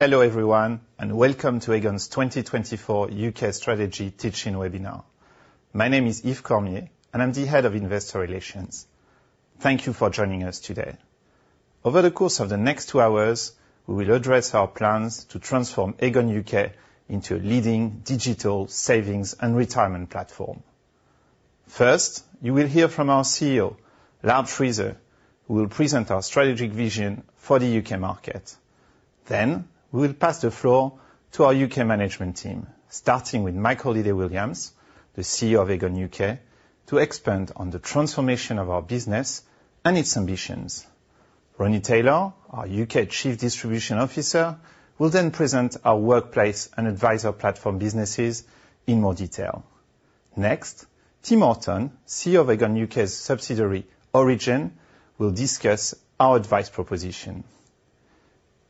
Hello everyone, and welcome to Aegon's 2024 U.K. Strategy Teach-in Webinar. My name is Yves Cormier, and I'm the Head of Investor Relations. Thank you for joining us today. Over the course of the next two hours, we will address our plans to transform Aegon U.K. into a leading digital savings and retirement platform. First, you will hear from our CEO, Lard Friese, who will present our strategic vision for the U.K. market. Then, we will pass the floor to our U.K. management team, starting with Mike Holliday-Williams, the CEO of Aegon U.K., to expand on the transformation of our business and its ambitions. Ronnie Taylor, our U.K. Chief Distribution Officer, will then present our workplace and Adviser Platform businesses in more detail. Next, Tim Orton, CEO of Aegon U.K.'s subsidiary, Origen, will discuss our advice proposition.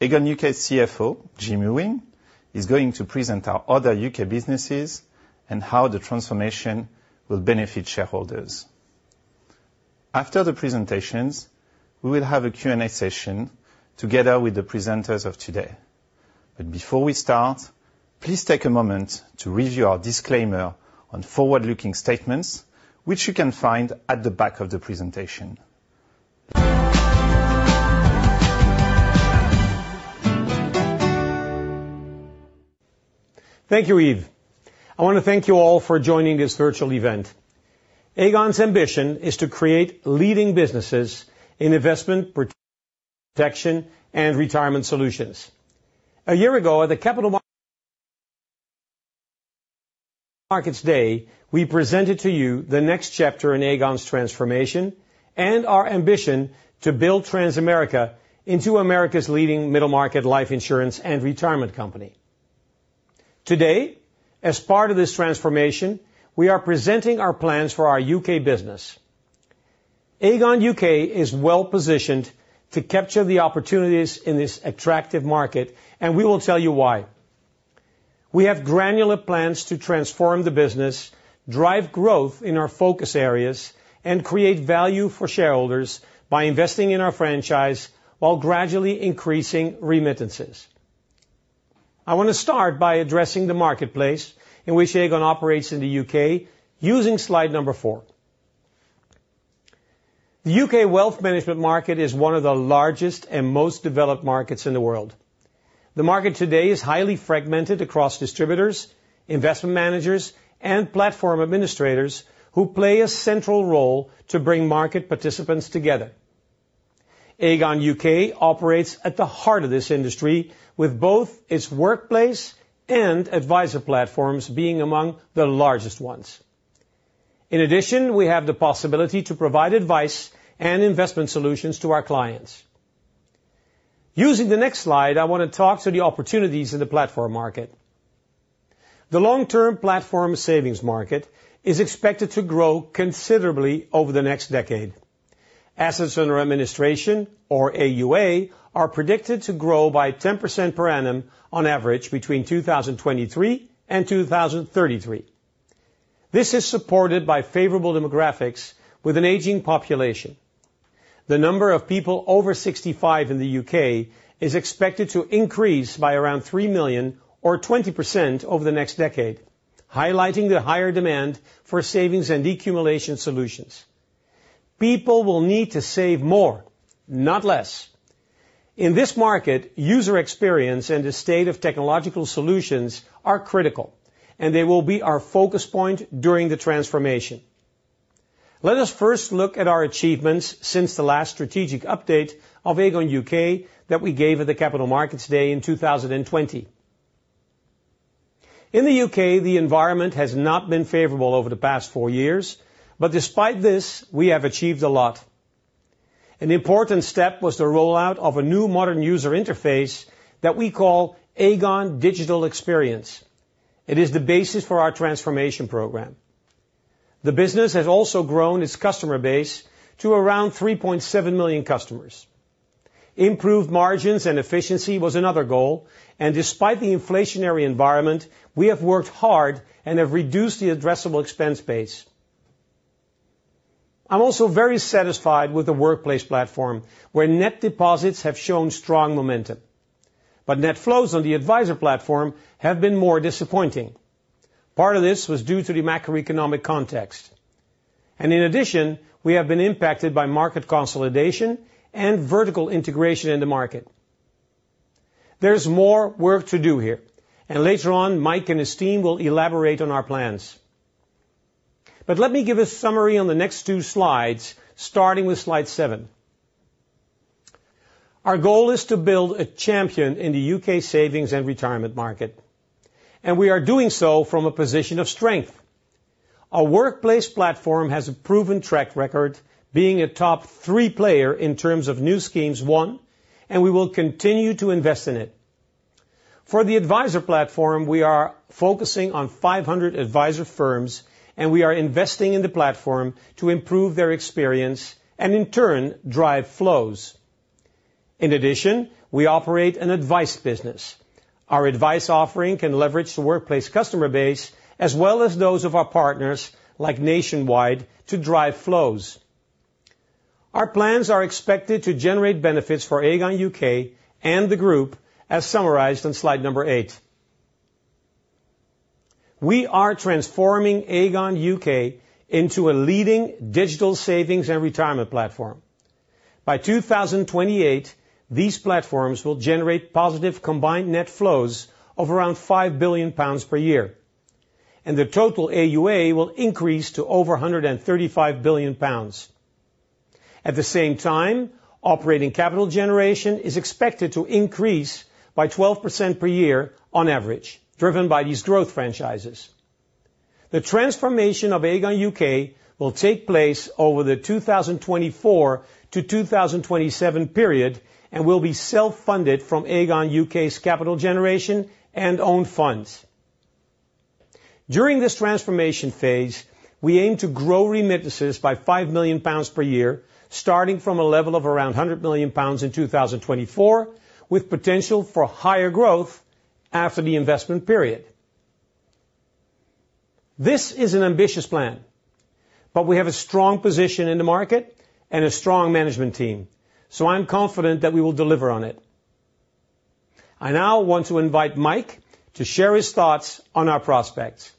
Aegon U.K. CFO, Jim Ewing, is going to present our other U.K. businesses and how the transformation will benefit shareholders. After the presentations, we will have a Q&A session together with the presenters of today. But before we start, please take a moment to read our disclaimer on forward-looking statements, which you can find at the back of the presentation. Thank you, Yves. I wanna thank you all for joining this virtual event. Aegon's ambition is to create leading businesses in investment, protection, and retirement solutions. A year ago, at the Capital Markets Day, we presented to you the next chapter in Aegon's transformation and our ambition to build Transamerica into America's leading middle market life insurance and retirement company. Today, as part of this transformation, we are presenting our plans for our U.K. business. Aegon U.K. is well positioned to capture the opportunities in this attractive market, and we will tell you why. We have granular plans to transform the business, drive growth in our focus areas, and create value for shareholders by investing in our franchise while gradually increasing remittances. I wanna start by addressing the marketplace in which Aegon operates in the U.K., using slide number four. The U.K. wealth management market is one of the largest and most developed markets in the world. The market today is highly fragmented across distributors, investment managers, and platform administrators who play a central role to bring market participants together. Aegon U.K. operates at the heart of this industry, with both its workplace and Adviser Platforms being among the largest ones. In addition, we have the possibility to provide advice and investment solutions to our clients. Using the next slide, I wanna talk to the opportunities in the platform market. The long-term platform savings market is expected to grow considerably over the next decade. Assets under administration, or AUA, are predicted to grow by 10% per annum on average between 2023 and 2033. This is supported by favorable demographics with an aging population. The number of people over 65 in the U.K. is expected to increase by around 3 million or 20% over the next decade, highlighting the higher demand for savings and accumulation solutions. People will need to save more, not less. In this market, user experience and the state of technological solutions are critical, and they will be our focus point during the transformation. Let us first look at our achievements since the last strategic update of Aegon U.K. that we gave at the Capital Markets Day in 2020. In the U.K., the environment has not been favorable over the past 4 years, but despite this, we have achieved a lot. An important step was the rollout of a new modern user interface that we call Aegon Digital Experience. It is the basis for our transformation program. The business has also grown its customer base to around 3.7 million customers. Improved margins and efficiency was another goal, and despite the inflationary environment, we have worked hard and have reduced the addressable expense base. I'm also very satisfied with the Workplace Platform, where net deposits have shown strong momentum, but net flows on the Adviser Platform have been more disappointing. Part of this was due to the macroeconomic context, and in addition, we have been impacted by market consolidation and vertical integration in the market. There's more work to do here, and later on, Mike and his team will elaborate on our plans. But let me give a summary on the next two slides, starting with slide seven. Our goal is to build a champion in the U.K. savings and retirement market, and we are doing so from a position of strength. Our Workplace Platform has a proven track record, being a top three player in terms of new schemes won, and we will continue to invest in it. For the Adviser Platform, we are focusing on 500 adviser firms, and we are investing in the platform to improve their experience and in turn, drive flows. In addition, we operate an advice business. Our advice offering can leverage the workplace customer base as well as those of our partners, like Nationwide, to drive flows. Our plans are expected to generate benefits for Aegon U.K. and the group, as summarized on slide eight. We are transforming Aegon U.K. into a leading digital savings and retirement platform. By 2028, these platforms will generate positive combined net flows of around 5 billion pounds per year, and the total AUA will increase to over 135 billion pounds. At the same time, operating capital generation is expected to increase by 12% per year on average, driven by these growth franchises. The transformation of Aegon U.K. will take place over the 2024 to 2027 period, and will be self-funded from Aegon U.K.'s capital generation and own funds. During this transformation phase, we aim to grow remittances by 5 million pounds per year, starting from a level of around 100 million pounds in 2024, with potential for higher growth after the investment period. This is an ambitious plan, but we have a strong position in the market and a strong management team, so I'm confident that we will deliver on it. I now want to invite Mike to share his thoughts on our prospects.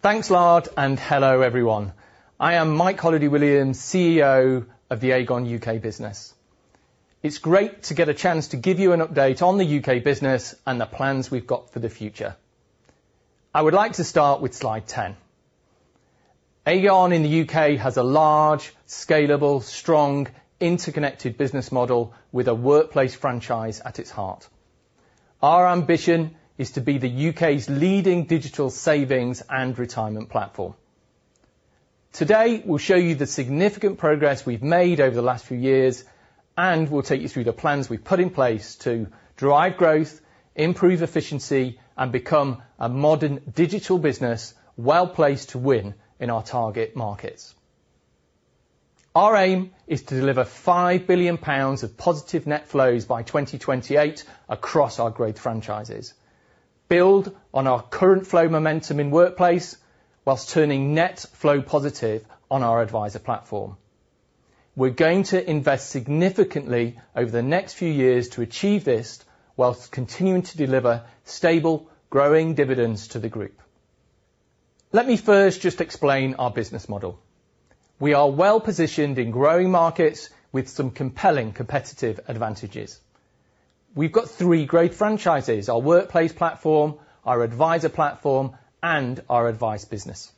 Thanks, Lard, and hello, everyone. I am Mike Holliday-Williams, CEO of the Aegon U.K. business. It's great to get a chance to give you an update on the U.K. business and the plans we've got for the future. I would like to start with slide 10. Aegon in the U.K. has a large, scalable, strong, interconnected business model with a workplace franchise at its heart. Our ambition is to be the U.K.'s leading digital savings and retirement platform. Today, we'll show you the significant progress we've made over the last few years, and we'll take you through the plans we've put in place to drive growth, improve efficiency, and become a modern digital business, well-placed to win in our target markets. Our aim is to deliver 5 billion pounds of positive net flows by 2028 across our growth franchises, build on our current flow momentum in workplace, whilst turning net flow positive on our adviser Platform. We're going to invest significantly over the next few years to achieve this, whilst continuing to deliver stable, growing dividends to the group. Let me first just explain our business model. We are well positioned in growing markets with some compelling competitive advantages. We've got three great franchises, our Workplace Platform, our adviser Platform, and our advice business.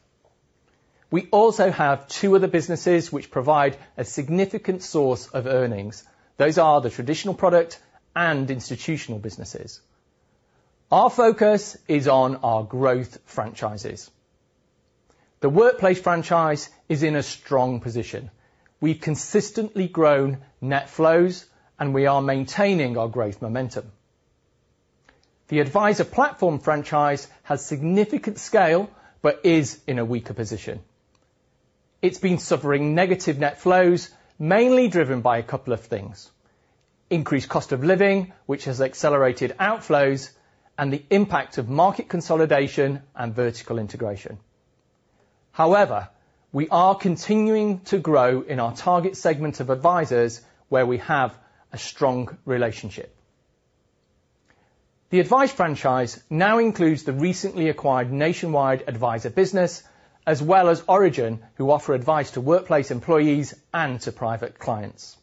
We also have two other businesses which provide a significant source of earnings. Those are the traditional product and institutional businesses. Our focus is on our growth franchises. The workplace franchise is in a strong position. We've consistently grown net flows, and we are maintaining our growth momentum. The Adviser Platform franchise has significant scale, but is in a weaker position. It's been suffering negative net flows, mainly driven by a couple of things: increased cost of living, which has accelerated outflows, and the impact of market consolidation and vertical integration. However, we are continuing to grow in our target segment of advisers, where we have a strong relationship. The advice franchise now includes the recently acquired Nationwide adviser business, as well as Origen, who offer advice to workplace employees and to private clients.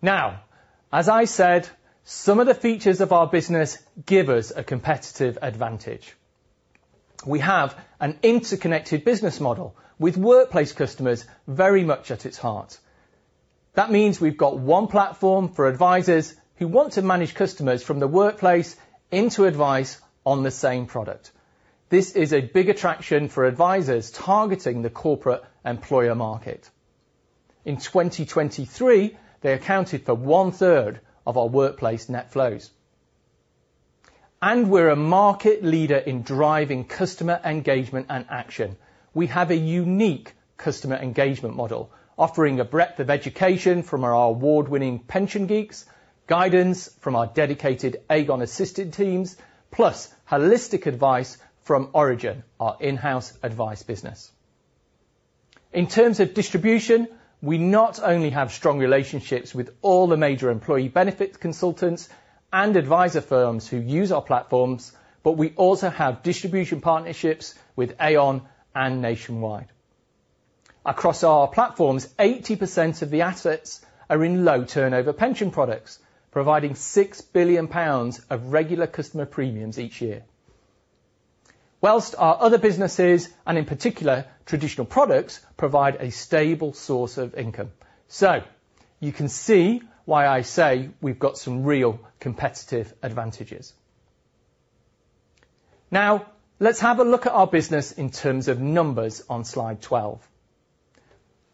Now, as I said, some of the features of our business give us a competitive advantage. We have an interconnected business model with workplace customers very much at its heart. That means we've got one platform for advisers who want to manage customers from the workplace into advice on the same product. This is a big attraction for advisers targeting the corporate employer market. In 2023, they accounted for one third of our workplace net flows. We're a market leader in driving customer engagement and action. We have a unique customer engagement model, offering a breadth of education from our award-winning Pension Geeks, guidance from our dedicated Aegon Assist teams, plus holistic advice from Origen, our in-house advice business. In terms of distribution, we not only have strong relationships with all the major employee benefits consultants and adviser firms who use our platforms, but we also have distribution partnerships with Aon and Nationwide. Across our platforms, 80% of the assets are in low turnover pension products, providing 6 billion pounds of regular customer premiums each year. While our other businesses, and in particular, traditional products, provide a stable source of income. So you can see why I say we've got some real competitive advantages. Now, let's have a look at our business in terms of numbers on slide 12.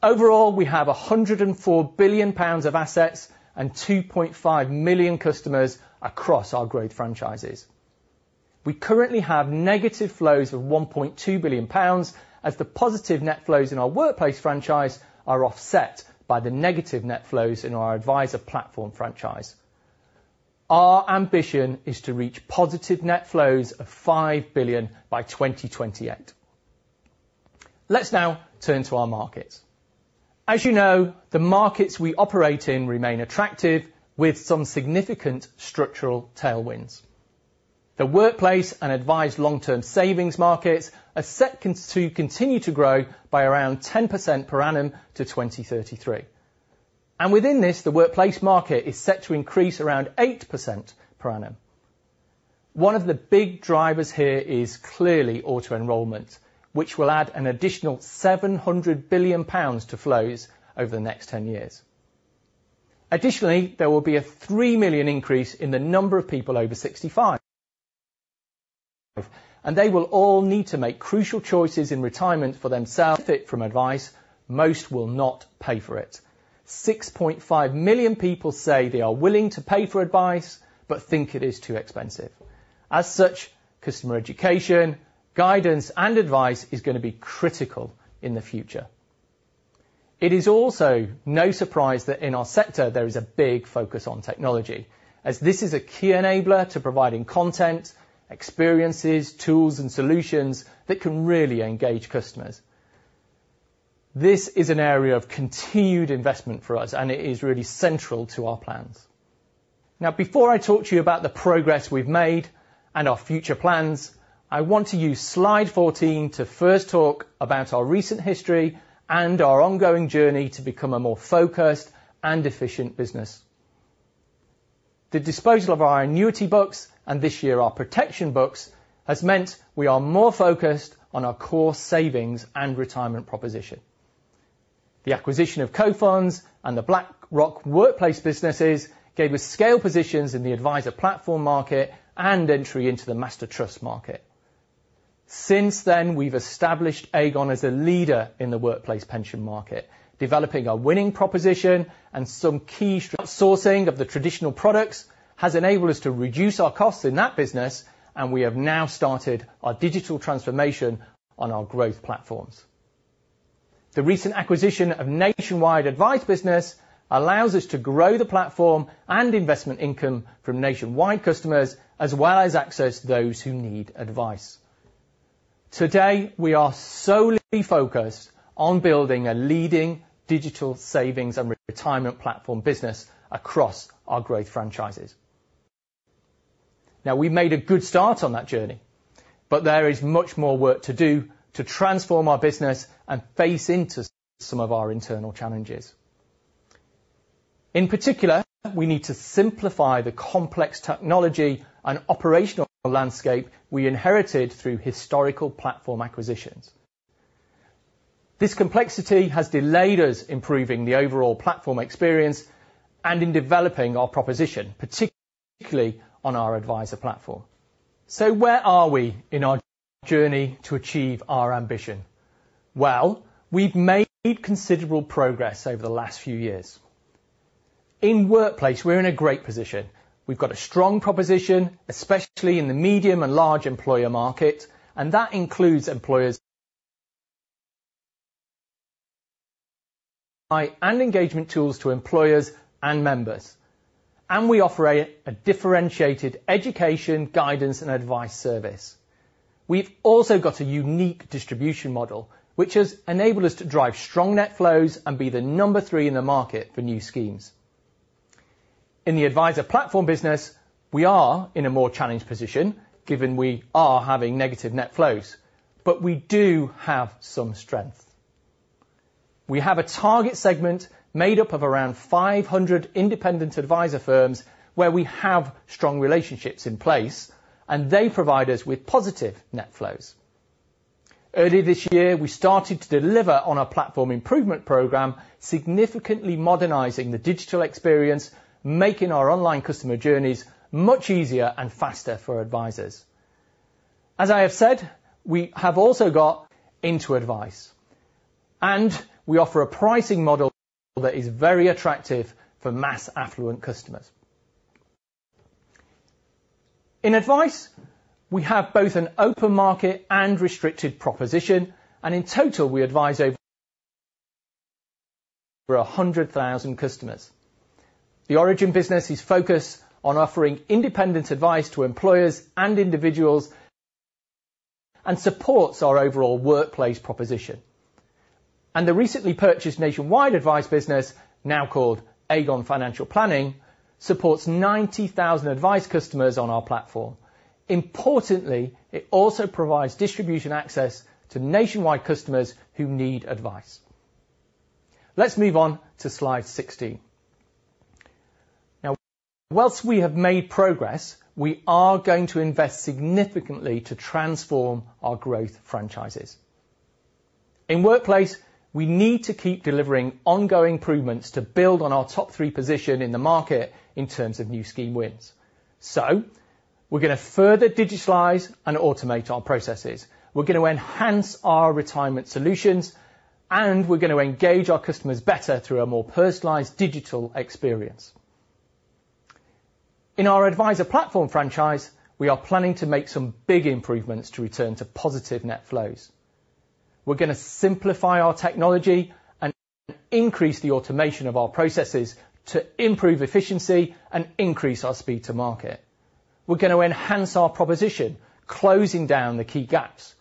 Overall, we have 104 billion pounds of assets and 2.5 million customers across our growth franchises.... We currently have negative flows of 1.2 billion pounds, as the positive net flows in our workplace franchise are offset by the negative net flows in our Adviser Platform franchise. Our ambition is to reach positive net flows of 5 billion by 2028. Let's now turn to our markets. As you know, the markets we operate in remain attractive, with some significant structural tailwinds. The workplace and advised long-term savings markets are set to continue to grow by around 10% per annum to 2033. And within this, the workplace market is set to increase around 8% per annum. One of the big drivers here is clearly auto-enrollment, which will add an additional 700 billion pounds to flows over the next 10 years. Additionally, there will be a 3 million increase in the number of people over 65, and they will all need to make crucial choices in retirement for themselves. From advice, most will not pay for it. 6.5 million people say they are willing to pay for advice, but think it is too expensive. As such, customer education, guidance, and advice is gonna be critical in the future. It is also no surprise that in our sector, there is a big focus on technology, as this is a key enabler to providing content, experiences, tools, and solutions that can really engage customers. This is an area of continued investment for us, and it is really central to our plans. Now, before I talk to you about the progress we've made and our future plans, I want to use slide 14 to first talk about our recent history and our ongoing journey to become a more focused and efficient business. The disposal of our annuity books, and this year, our protection books, has meant we are more focused on our core savings and retirement proposition. The acquisition of Cofunds and the BlackRock workplace businesses gave us scale positions in the Adviser Platform market and entry into the master trust market. Since then, we've established Aegon as a leader in the workplace pension market, developing a winning proposition and some key... outsourcing of the traditional products has enabled us to reduce our costs in that business, and we have now started our digital transformation on our growth platforms. The recent acquisition of Nationwide advice business allows us to grow the platform and investment income from Nationwide customers, as well as access those who need advice. Today, we are solely focused on building a leading digital savings and retirement platform business across our growth franchises. Now, we've made a good start on that journey, but there is much more work to do to transform our business and face into some of our internal challenges. In particular, we need to simplify the complex technology and operational landscape we inherited through historical platform acquisitions. This complexity has delayed us improving the overall platform experience and in developing our proposition, particularly on our Adviser Platform. So where are we in our journey to achieve our ambition? Well, we've made considerable progress over the last few years. In workplace, we're in a great position. We've got a strong proposition, especially in the medium and large employer market, and that includes employers and engagement tools to employers and members, and we offer a differentiated education, guidance, and advice service. We've also got a unique distribution model, which has enabled us to drive strong net flows and be the number 3 in the market for new schemes. In the Adviser Platform business, we are in a more challenged position, given we are having negative net flows, but we do have some strength. We have a target segment made up of around 500 independent adviser firms where we have strong relationships in place, and they provide us with positive net flows. Early this year, we started to deliver on our platform improvement program, significantly modernizing the digital experience, making our online customer journeys much easier and faster for advisers. As I have said, we have also got into advice, and we offer a pricing model that is very attractive for mass affluent customers. In advice, we have both an open market and restricted proposition, and in total, we advise over 100,000 customers. The Origen business is focused on offering independent advice to employers and individuals, and supports our overall workplace proposition. The recently purchased Nationwide advice business, now called Aegon Financial Planning, supports 90,000 advice customers on our platform. Importantly, it also provides distribution access to Nationwide customers who need advice. Let's move on to slide 16. Now, while we have made progress, we are going to invest significantly to transform our growth franchises. In workplace, we need to keep delivering ongoing improvements to build on our top three position in the market in terms of new scheme wins. So we're gonna further digitalize and automate our processes. We're gonna enhance our retirement solutions... and we're going to engage our customers better through a more personalized digital experience. In our adviser Platform franchise, we are planning to make some big improvements to return to positive net flows. We're gonna simplify our technology and increase the automation of our processes to improve efficiency and increase our speed to market. We're gonna enhance our proposition, closing down the key gaps.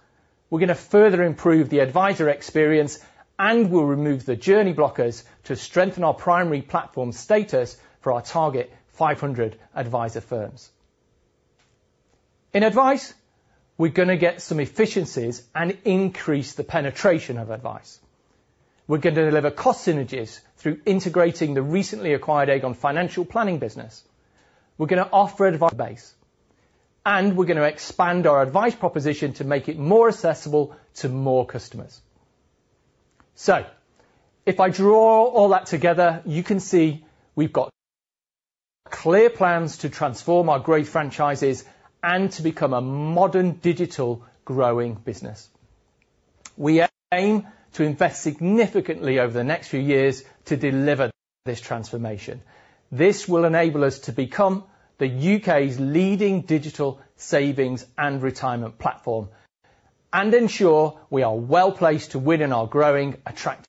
We're gonna further improve the advisor experience, and we'll remove the journey blockers to strengthen our primary platform status for our target 500 advisor firms. In advice, we're gonna get some efficiencies and increase the penetration of advice. We're going to deliver cost synergies through integrating the recently acquired Aegon Financial Planning business. We're gonna offer advice base, and we're gonna expand our advice proposition to make it more accessible to more customers. So if I draw all that together, you can see we've got clear plans to transform our great franchises and to become a modern digital growing business. We aim to invest significantly over the next few years to deliver this transformation. This will enable us to become the U.K.'s leading digital savings and retirement platform and ensure we are well-placed to win in our growing attractive...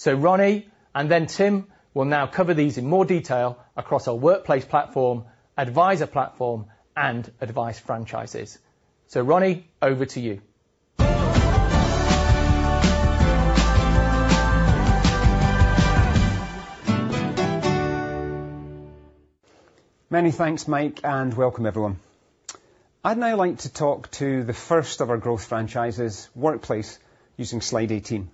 So Ronnie, and then Tim, will now cover these in more detail across our Workplace Platform, Adviser Platform, and advice franchises. So Ronnie, over to you. Many thanks, Mike, and welcome everyone. I'd now like to talk to the first of our growth franchises, workplace, using slide 18.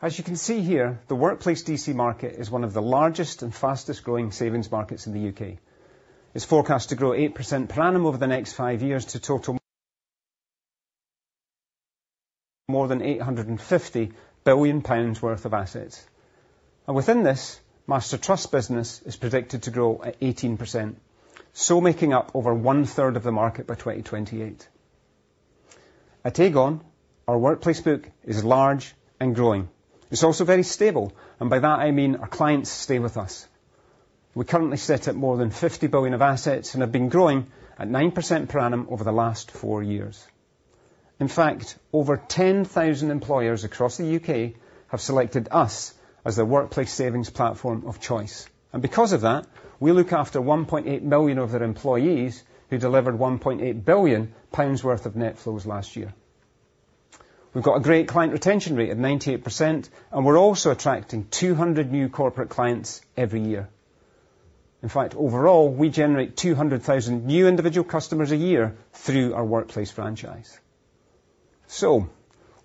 As you can see here, the workplace DC market is one of the largest and fastest-growing savings markets in the U.K. It's forecast to grow 8% per annum over the next 5 years to total more than 850 billion pounds worth of assets. Within this, master trust business is predicted to grow at 18%, so making up over one-third of the market by 2028. At Aegon, our workplace book is large and growing. It's also very stable, and by that, I mean our clients stay with us. We currently sit at more than 50 billion of assets and have been growing at 9% per annum over the last 4 years. In fact, over 10,000 employers across the U.K. have selected us as their workplace savings platform of choice. And because of that, we look after 1.8 million of their employees, who delivered 1.8 billion pounds worth of net flows last year. We've got a great client retention rate of 98%, and we're also attracting 200 new corporate clients every year. In fact, overall, we generate 200,000 new individual customers a year through our workplace franchise. So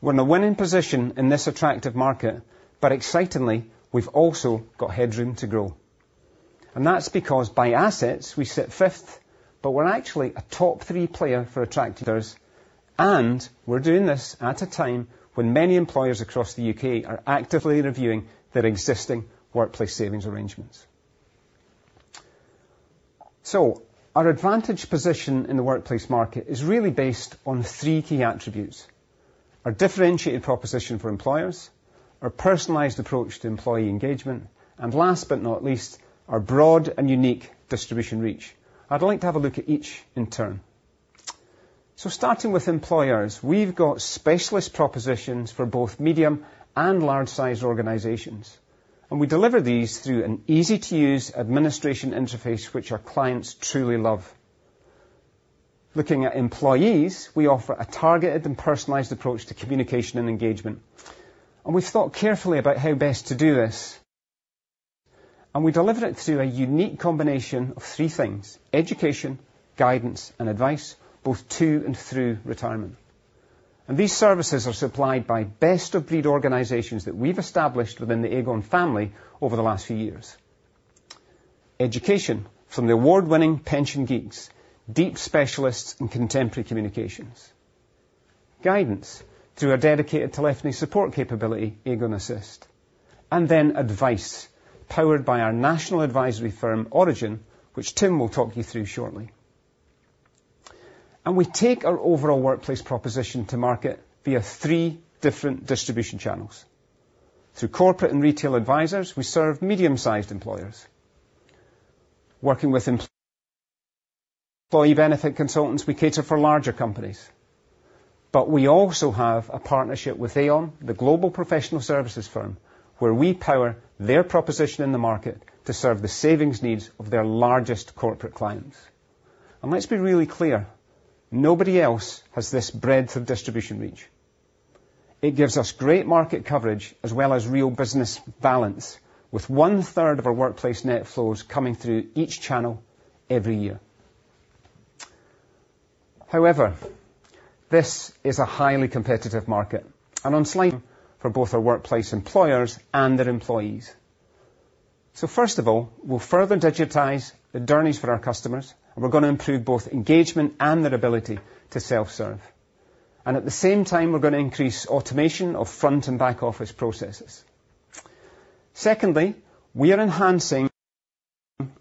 we're in a winning position in this attractive market, but excitingly, we've also got headroom to grow. And that's because by assets, we sit fifth, but we're actually a top three player for attractors, and we're doing this at a time when many employers across the U.K. are actively reviewing their existing workplace savings arrangements. So our advantage position in the workplace market is really based on three key attributes: our differentiated proposition for employers, our personalized approach to employee engagement, and last but not least, our broad and unique distribution reach. I'd like to have a look at each in turn. So starting with employers, we've got specialist propositions for both medium and large-sized organizations, and we deliver these through an easy-to-use administration interface which our clients truly love. Looking at employees, we offer a targeted and personalized approach to communication and engagement, and we've thought carefully about how best to do this. And we deliver it through a unique combination of three things: education, guidance, and advice, both to and through retirement. And these services are supplied by best-of-breed organizations that we've established within the Aegon family over the last few years. Education from the award-winning Pension Geeks, deep specialists in contemporary communications. Guidance through our dedicated telephony support capability, Aegon Assist. And then advice, powered by our national advisory firm, Origen, which Tim will talk you through shortly. And we take our overall workplace proposition to market via three different distribution channels. Through corporate and retail advisors, we serve medium-sized employers. Working with employee benefit consultants, we cater for larger companies. But we also have a partnership with Aon, the global professional services firm, where we power their proposition in the market to serve the savings needs of their largest corporate clients. And let's be really clear, nobody else has this breadth of distribution reach. It gives us great market coverage as well as real business balance, with one-third of our workplace net flows coming through each channel every year. However, this is a highly competitive market and on slide... for both our workplace employers and their employees. So first of all, we'll further digitize the journeys for our customers, and we're gonna improve both engagement and their ability to self-serve, and at the same time, we're going to increase automation of front and back office processes. Secondly, we are enhancing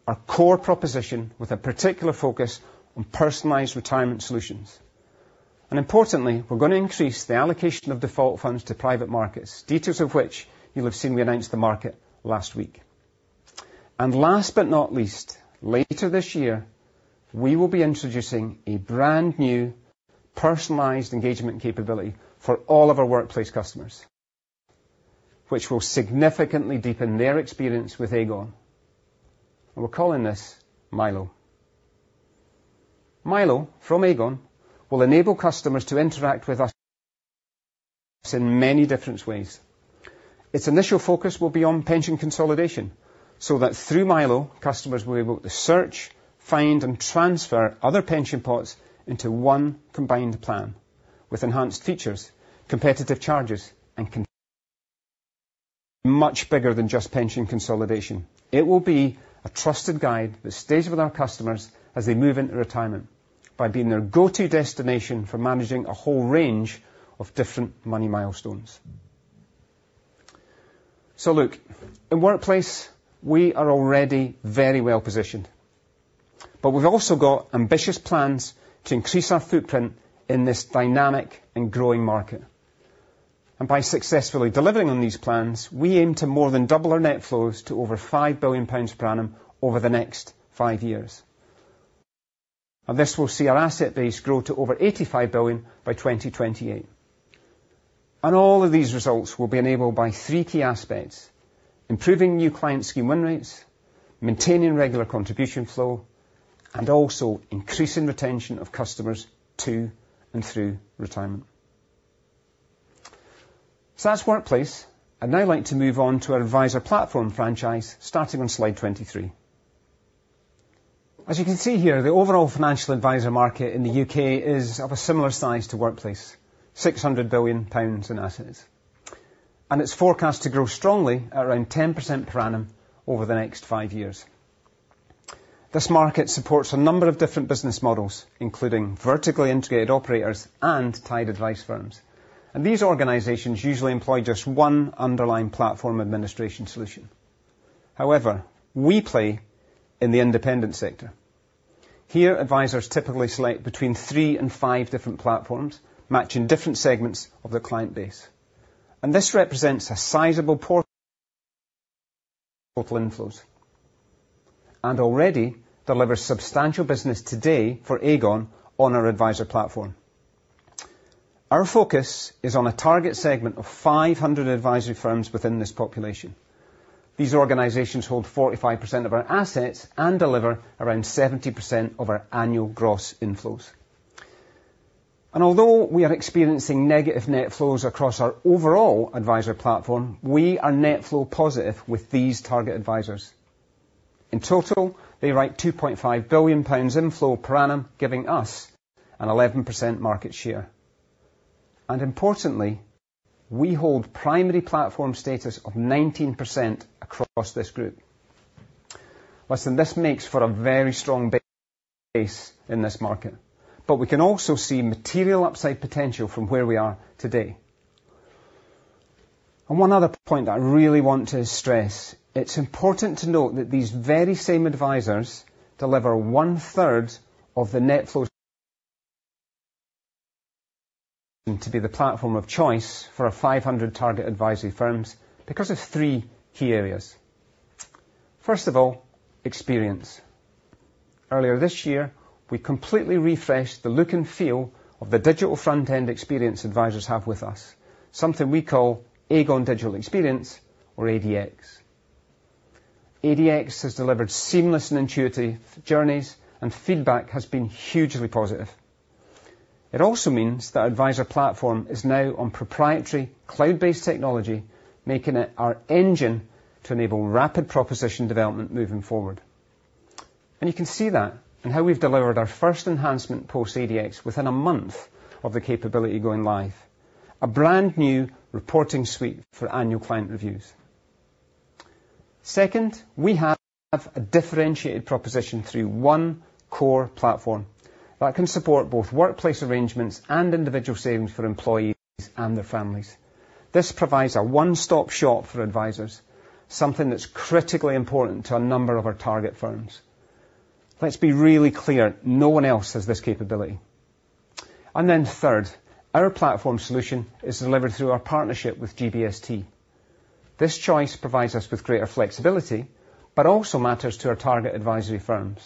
our core proposition with a particular focus on personalized retirement solutions. Importantly, we're going to increase the allocation of default funds to private markets, details of which you'll have seen we announced to the market last week. Last but not least, later this year, we will be introducing a brand-new personalized engagement capability for all of our workplace customers, which will significantly deepen their experience with Aegon. We're calling this Milo. Milo from Aegon will enable customers to interact with us in many different ways. Its initial focus will be on pension consolidation, so that through Milo, customers will be able to search, find, and transfer other pension pots into one combined plan with enhanced features, competitive charges, and much bigger than just pension consolidation. It will be a trusted guide that stays with our customers as they move into retirement by being their go-to destination for managing a whole range of different money milestones. So look, in workplace, we are already very well-positioned, but we've also got ambitious plans to increase our footprint in this dynamic and growing market. And by successfully delivering on these plans, we aim to more than double our net flows to over 5 billion pounds per annum over the next five years. And this will see our asset base grow to over 85 billion by 2028. All of these results will be enabled by three key aspects: improving new client scheme win rates, maintaining regular contribution flow, and also increasing retention of customers to and through retirement. So that's workplace. I'd now like to move on to our adviser Platform franchise, starting on slide 23. As you can see here, the overall financial advisor market in the U.K. is of a similar size to workplace, 600 billion pounds in assets, and it's forecast to grow strongly at around 10% per annum over the next five years. This market supports a number of different business models, including vertically integrated operators and tied advice firms. And these organizations usually employ just one underlying platform administration solution. However, we play in the independent sector. Here, advisors typically select between three and five different platforms, matching different segments of their client base. This represents a sizable portion of total inflows, and already delivers substantial business today for Aegon on our adviser Platform. Our focus is on a target segment of 500 advisory firms within this population. These organizations hold 45% of our assets and deliver around 70% of our annual gross inflows. Although we are experiencing negative net flows across our overall adviser Platform, we are net flow positive with these target advisors. In total, they write 2.5 billion pounds in flow per annum, giving us an 11% market share. Importantly, we hold primary platform status of 19% across this group. Listen, this makes for a very strong base in this market, but we can also see material upside potential from where we are today. And one other point I really want to stress, it's important to note that these very same advisors deliver one-third of the net flow... to be the platform of choice for our 500 target advisory firms because of three key areas. First of all, experience. Earlier this year, we completely refreshed the look and feel of the digital front-end experience advisors have with us, something we call Aegon Digital Experience or ADX. ADX has delivered seamless and intuitive journeys, and feedback has been hugely positive. It also means that our adviser Platform is now on proprietary cloud-based technology, making it our engine to enable rapid proposition development moving forward. And you can see that in how we've delivered our first enhancement post ADX within a month of the capability going live, a brand-new reporting suite for annual client reviews. Second, we have a differentiated proposition through one core platform that can support both workplace arrangements and individual savings for employees and their families. This provides a one-stop shop for advisors, something that's critically important to a number of our target firms. Let's be really clear, no one else has this capability. And then third, our platform solution is delivered through our partnership with GBST. This choice provides us with greater flexibility, but also matters to our target advisory firms,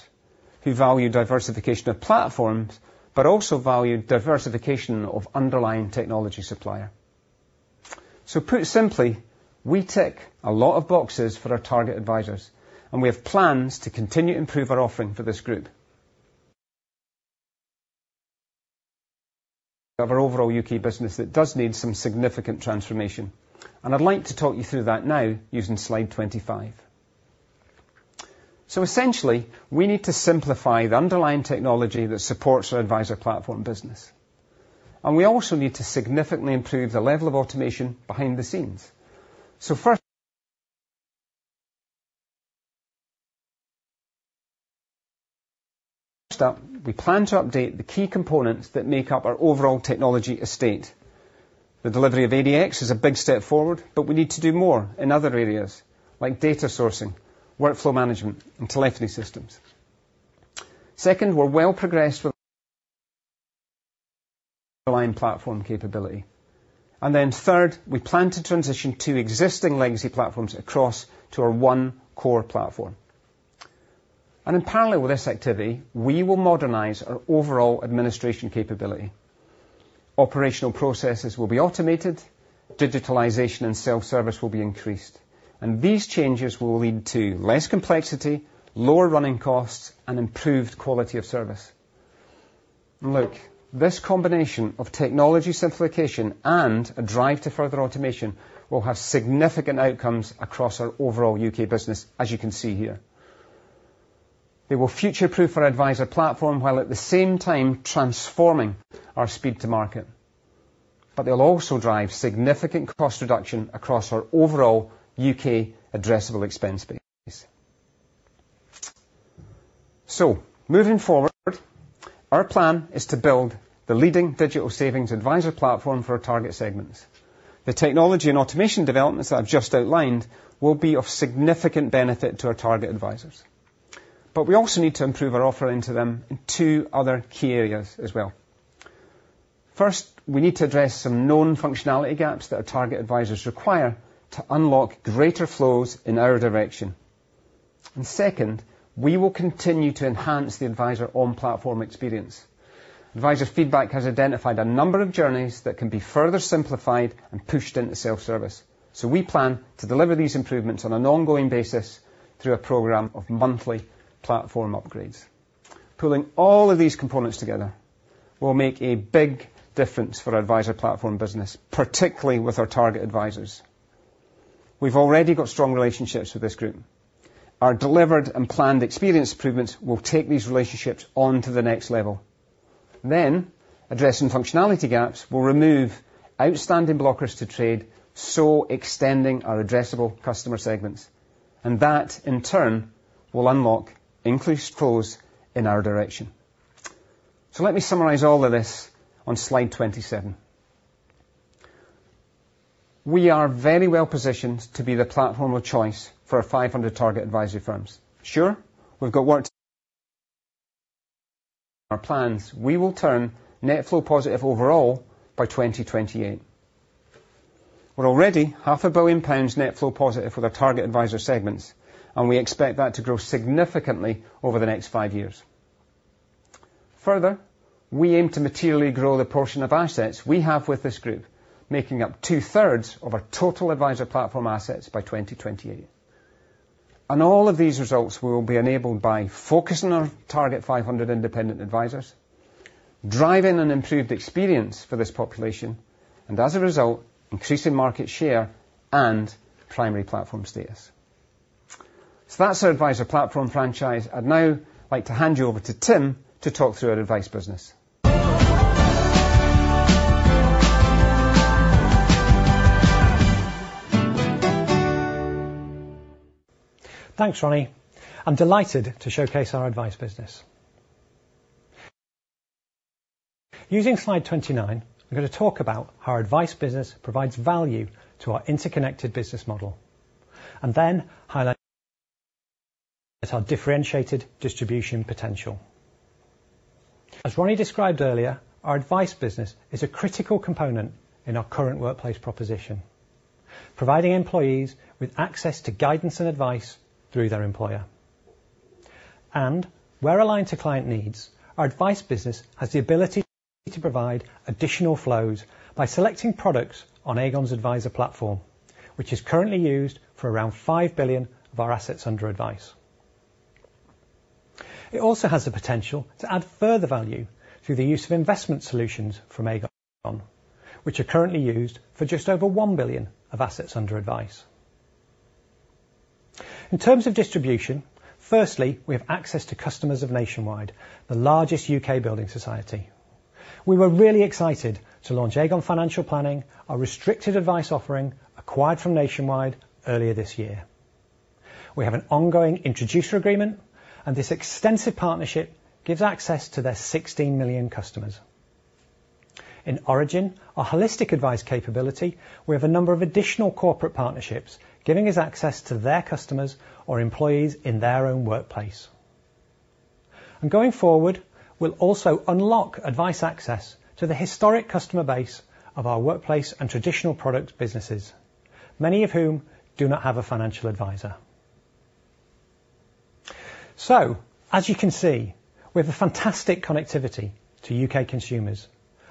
who value diversification of platforms, but also value diversification of underlying technology supplier. So put simply, we tick a lot of boxes for our target advisors, and we have plans to continue to improve our offering for this group. Of our overall U.K. business, it does need some significant transformation, and I'd like to talk you through that now using slide 25. So essentially, we need to simplify the underlying technology that supports our adviser Platform business, and we also need to significantly improve the level of automation behind the scenes. First up, we plan to update the key components that make up our overall technology estate. The delivery of ADX is a big step forward, but we need to do more in other areas, like data sourcing, workflow management, and telephony systems. Second, we're well progressed with aligned platform capability. And then third, we plan to transition two existing legacy platforms across to our one core platform. And in parallel with this activity, we will modernize our overall administration capability. Operational processes will be automated, digitalization and self-service will be increased, and these changes will lead to less complexity, lower running costs, and improved quality of service. Look, this combination of technology simplification and a drive to further automation will have significant outcomes across our overall U.K. business, as you can see here. They will future-proof our adviser Platform, while at the same time transforming our speed to market. But they'll also drive significant cost reduction across our overall U.K. addressable expense base. So moving forward, our plan is to build the leading digital savings adviser Platform for our target segments. The technology and automation developments that I've just outlined will be of significant benefit to our target advisors, but we also need to improve our offering to them in two other key areas as well. First, we need to address some known functionality gaps that our target advisors require to unlock greater flows in our direction. And second, we will continue to enhance the advisor on-platform experience. Adviser feedback has identified a number of journeys that can be further simplified and pushed into self-service, so we plan to deliver these improvements on an ongoing basis through a program of monthly platform upgrades. Pulling all of these components together will make a big difference for our Adviser Platform business, particularly with our target advisers. We've already got strong relationships with this group. Our delivered and planned experience improvements will take these relationships on to the next level. Then, addressing functionality gaps will remove outstanding blockers to trade, so extending our addressable customer segments, and that, in turn, will unlock increased flows in our direction. So let me summarize all of this on slide 27. We are very well positioned to be the platform of choice for our 500 target advisory firms. Sure, we've got work... our plans, we will turn net flow positive overall by 2028. We're already 500 million pounds net flow positive with our target advisor segments, and we expect that to grow significantly over the next 5 years. Further, we aim to materially grow the portion of assets we have with this group, making up two-thirds of our total adviser Platform assets by 2028. All of these results will be enabled by focusing on our target 500 independent advisors, driving an improved experience for this population, and as a result, increasing market share and primary platform status. So that's our adviser Platform franchise. I'd now like to hand you over to Tim to talk through our advice business. Thanks, Ronnie. I'm delighted to showcase our advice business. Using slide 29, I'm going to talk about how our advice business provides value to our interconnected business model, and then highlight our differentiated distribution potential. As Ronnie described earlier, our advice business is a critical component in our current workplace proposition, providing employees with access to guidance and advice through their employer. And where aligned to client needs, our advice business has the ability to provide additional flows by selecting products on Aegon's adviser Platform, which is currently used for around 5 billion of our assets under advice. It also has the potential to add further value through the use of investment solutions from Aegon, which are currently used for just over 1 billion of assets under advice. In terms of distribution, firstly, we have access to customers of Nationwide, the largest U.K. building society. We were really excited to launch Aegon Financial Planning, our restricted advice offering, acquired from Nationwide earlier this year. We have an ongoing introducer agreement, and this extensive partnership gives access to their 16 million customers. In Origen, our holistic advice capability, we have a number of additional corporate partnerships, giving us access to their customers or employees in their own workplace. And going forward, we'll also unlock advice access to the historic customer base of our workplace and traditional product businesses, many of whom do not have a financial advisor. So as you can see, we have a fantastic connectivity to U.K. consumers,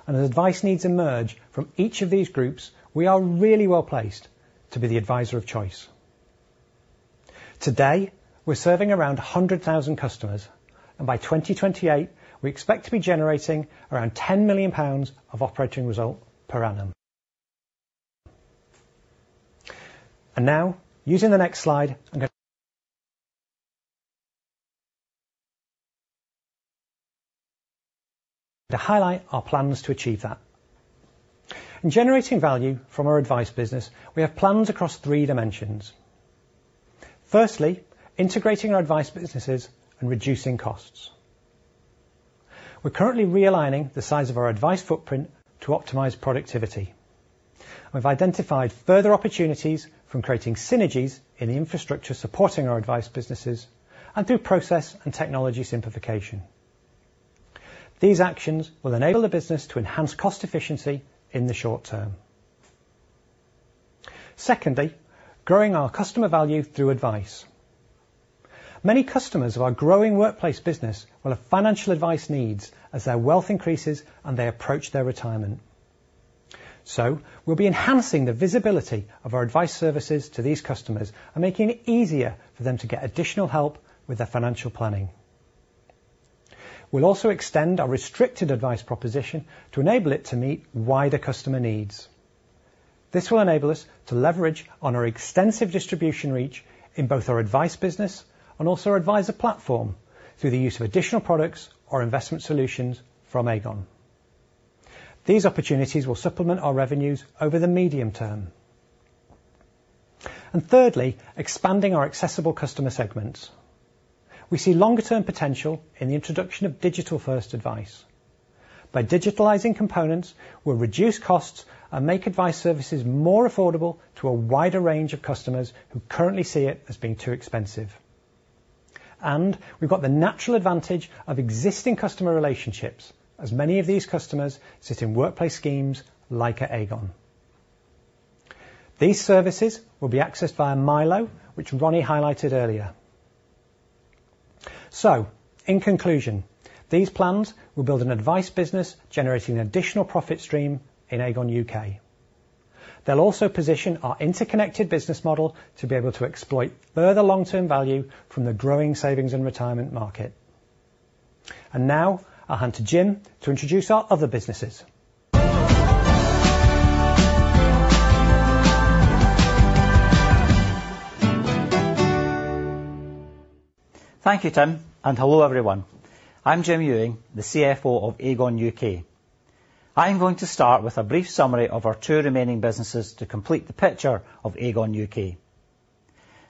and as advice needs emerge from each of these groups, we are really well placed to be the advisor of choice. Today, we're serving around 100,000 customers, and by 2028, we expect to be generating around 10 million pounds of operating result per annum. Now, using the next slide, I'm going to highlight our plans to achieve that. In generating value from our advice business, we have plans across three dimensions. Firstly, integrating our advice businesses and reducing costs. We're currently realigning the size of our advice footprint to optimize productivity. We've identified further opportunities from creating synergies in the infrastructure, supporting our advice businesses, and through process and technology simplification. These actions will enable the business to enhance cost efficiency in the short term. Secondly, growing our customer value through advice. Many customers of our growing workplace business will have financial advice needs as their wealth increases and they approach their retirement. So we'll be enhancing the visibility of our advice services to these customers and making it easier for them to get additional help with their financial planning. We'll also extend our restricted advice proposition to enable it to meet wider customer needs. This will enable us to leverage on our extensive distribution reach in both our advice business and also our adviser Platform through the use of additional products or investment solutions from Aegon. These opportunities will supplement our revenues over the medium term. And thirdly, expanding our accessible customer segments. We see longer-term potential in the introduction of digital-first advice. By digitalizing components, we'll reduce costs and make advice services more affordable to a wider range of customers who currently see it as being too expensive. And we've got the natural advantage of existing customer relationships, as many of these customers sit in workplace schemes like Aegon. These services will be accessed via Milo, which Ronnie highlighted earlier. In conclusion, these plans will build an advice business generating additional profit stream in Aegon U.K.. They'll also position our interconnected business model to be able to exploit further long-term value from the growing savings and retirement market. Now on to Jim to introduce our other businesses. Thank you, Tim, and hello, everyone. I'm Jim Ewing, the CFO of Aegon U.K.. I'm going to start with a brief summary of our two remaining businesses to complete the picture of Aegon U.K..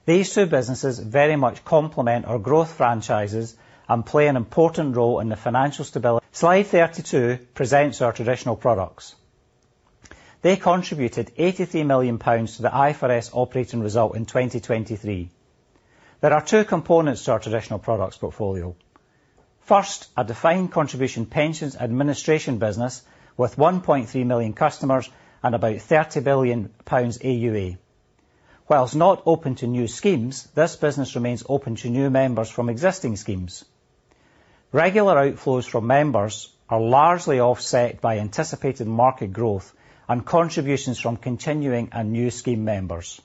These two businesses very much complement our growth franchises and play an important role in the financial stability. Slide 32 presents our traditional products. They contributed 83 million pounds to the IFRS operating result in 2023. There are two components to our traditional products portfolio. First, a defined contribution, pensions, administration business with 1.3 million customers and about 30 billion pounds AUA. Whilst not open to new schemes, this business remains open to new members from existing schemes. Regular outflows from members are largely offset by anticipated market growth and contributions from continuing and new scheme members.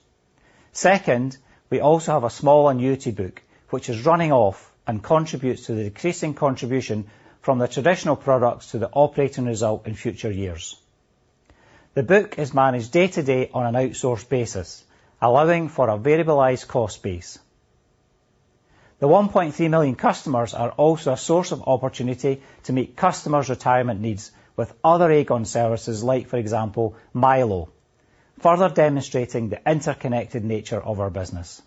Second, we also have a small annuity book, which is running off and contributes to the decreasing contribution from the traditional products to the operating result in future years. The book is managed day to day on an outsourced basis, allowing for a variablized cost base. The 1.3 million customers are also a source of opportunity to meet customers' retirement needs with other Aegon services, like, for example, Milo, further demonstrating the interconnected nature of our business.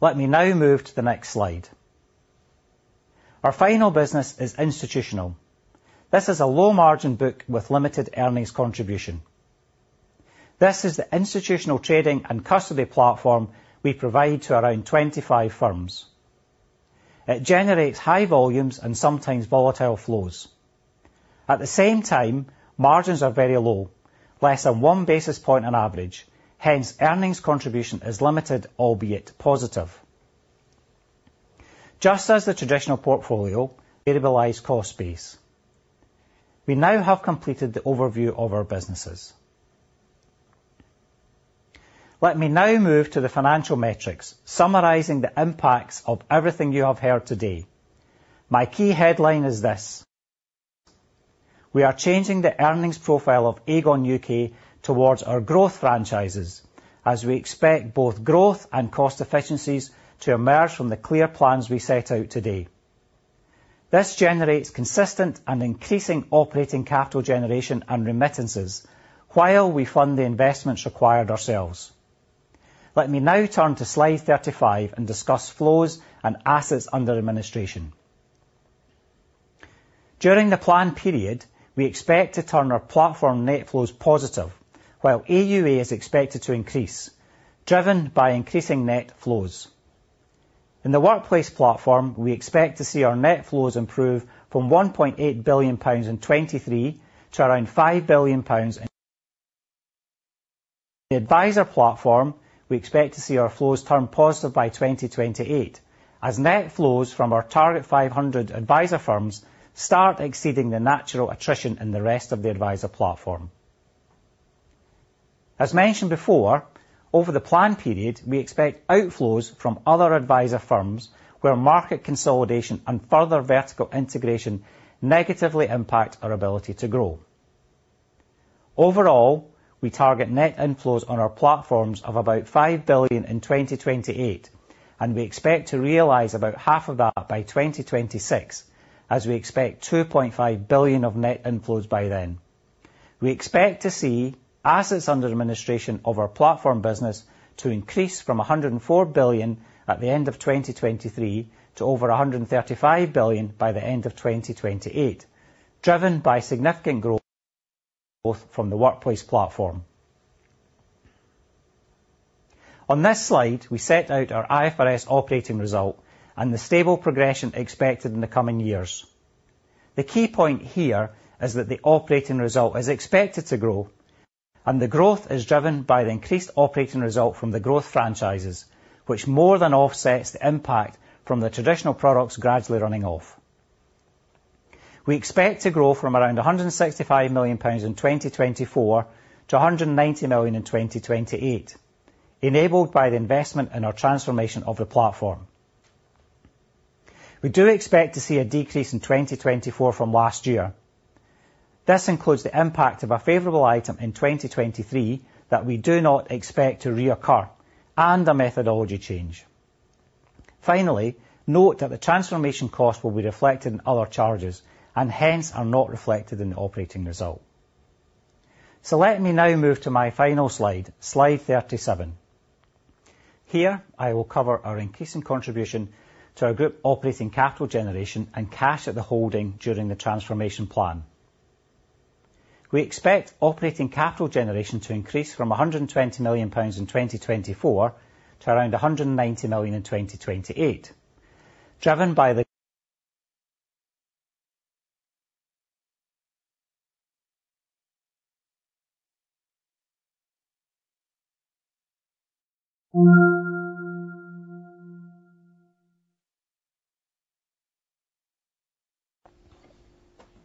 Let me now move to the next slide. Our final business is institutional. This is a low-margin book with limited earnings contribution. This is the institutional trading and custody platform we provide to around 25 firms. It generates high volumes and sometimes volatile flows. At the same time, margins are very low, less than one basis point on average. Hence, earnings contribution is limited, albeit positive. Just as the traditional portfolio variablize cost base. We now have completed the overview of our businesses. Let me now move to the financial metrics, summarizing the impacts of everything you have heard today. My key headline is this: we are changing the earnings profile of Aegon U.K. towards our growth franchises, as we expect both growth and cost efficiencies to emerge from the clear plans we set out today. This generates consistent and increasing operating capital generation and remittances while we fund the investments required ourselves. Let me now turn to slide 35 and discuss flows and assets under administration. During the plan period, we expect to turn our platform net flows positive, while AUA is expected to increase, driven by increasing net flows. In the Workplace Platform, we expect to see our net flows improve from 1.8 billion pounds in 2023 to around 5 billion pounds. In the Adviser Platform, we expect to see our flows turn positive by 2028 as net flows from our target 500 adviser firms start exceeding the natural attrition in the rest of the Adviser Platform. As mentioned before, over the plan period, we expect outflows from other adviser firms where market consolidation and further vertical integration negatively impact our ability to grow. ...Overall, we target net inflows on our platforms of about 5 billion in 2028, and we expect to realize about half of that by 2026, as we expect 2.5 billion of net inflows by then. We expect to see assets under administration of our platform business to increase from 104 billion at the end of 2023 to over 135 billion by the end of 2028, driven by significant growth, both from the Workplace Platform. On this slide, we set out our IFRS operating result and the stable progression expected in the coming years. The key point here is that the operating result is expected to grow, and the growth is driven by the increased operating result from the growth franchises, which more than offsets the impact from the traditional products gradually running off. We expect to grow from around GBP 165 million in 2024 to GBP 190 million in 2028, enabled by the investment in our transformation of the platform. We do expect to see a decrease in 2024 from last year. This includes the impact of a favorable item in 2023 that we do not expect to reoccur and a methodology change. Finally, note that the transformation costs will be reflected in other charges and hence are not reflected in the operating result. Let me now move to my final slide, slide 37. Here I will cover our increasing contribution to our group operating capital generation and cash at the holding during the transformation plan. We expect operating capital generation to increase from 120 million pounds in 2024 to around 190 million in 2028,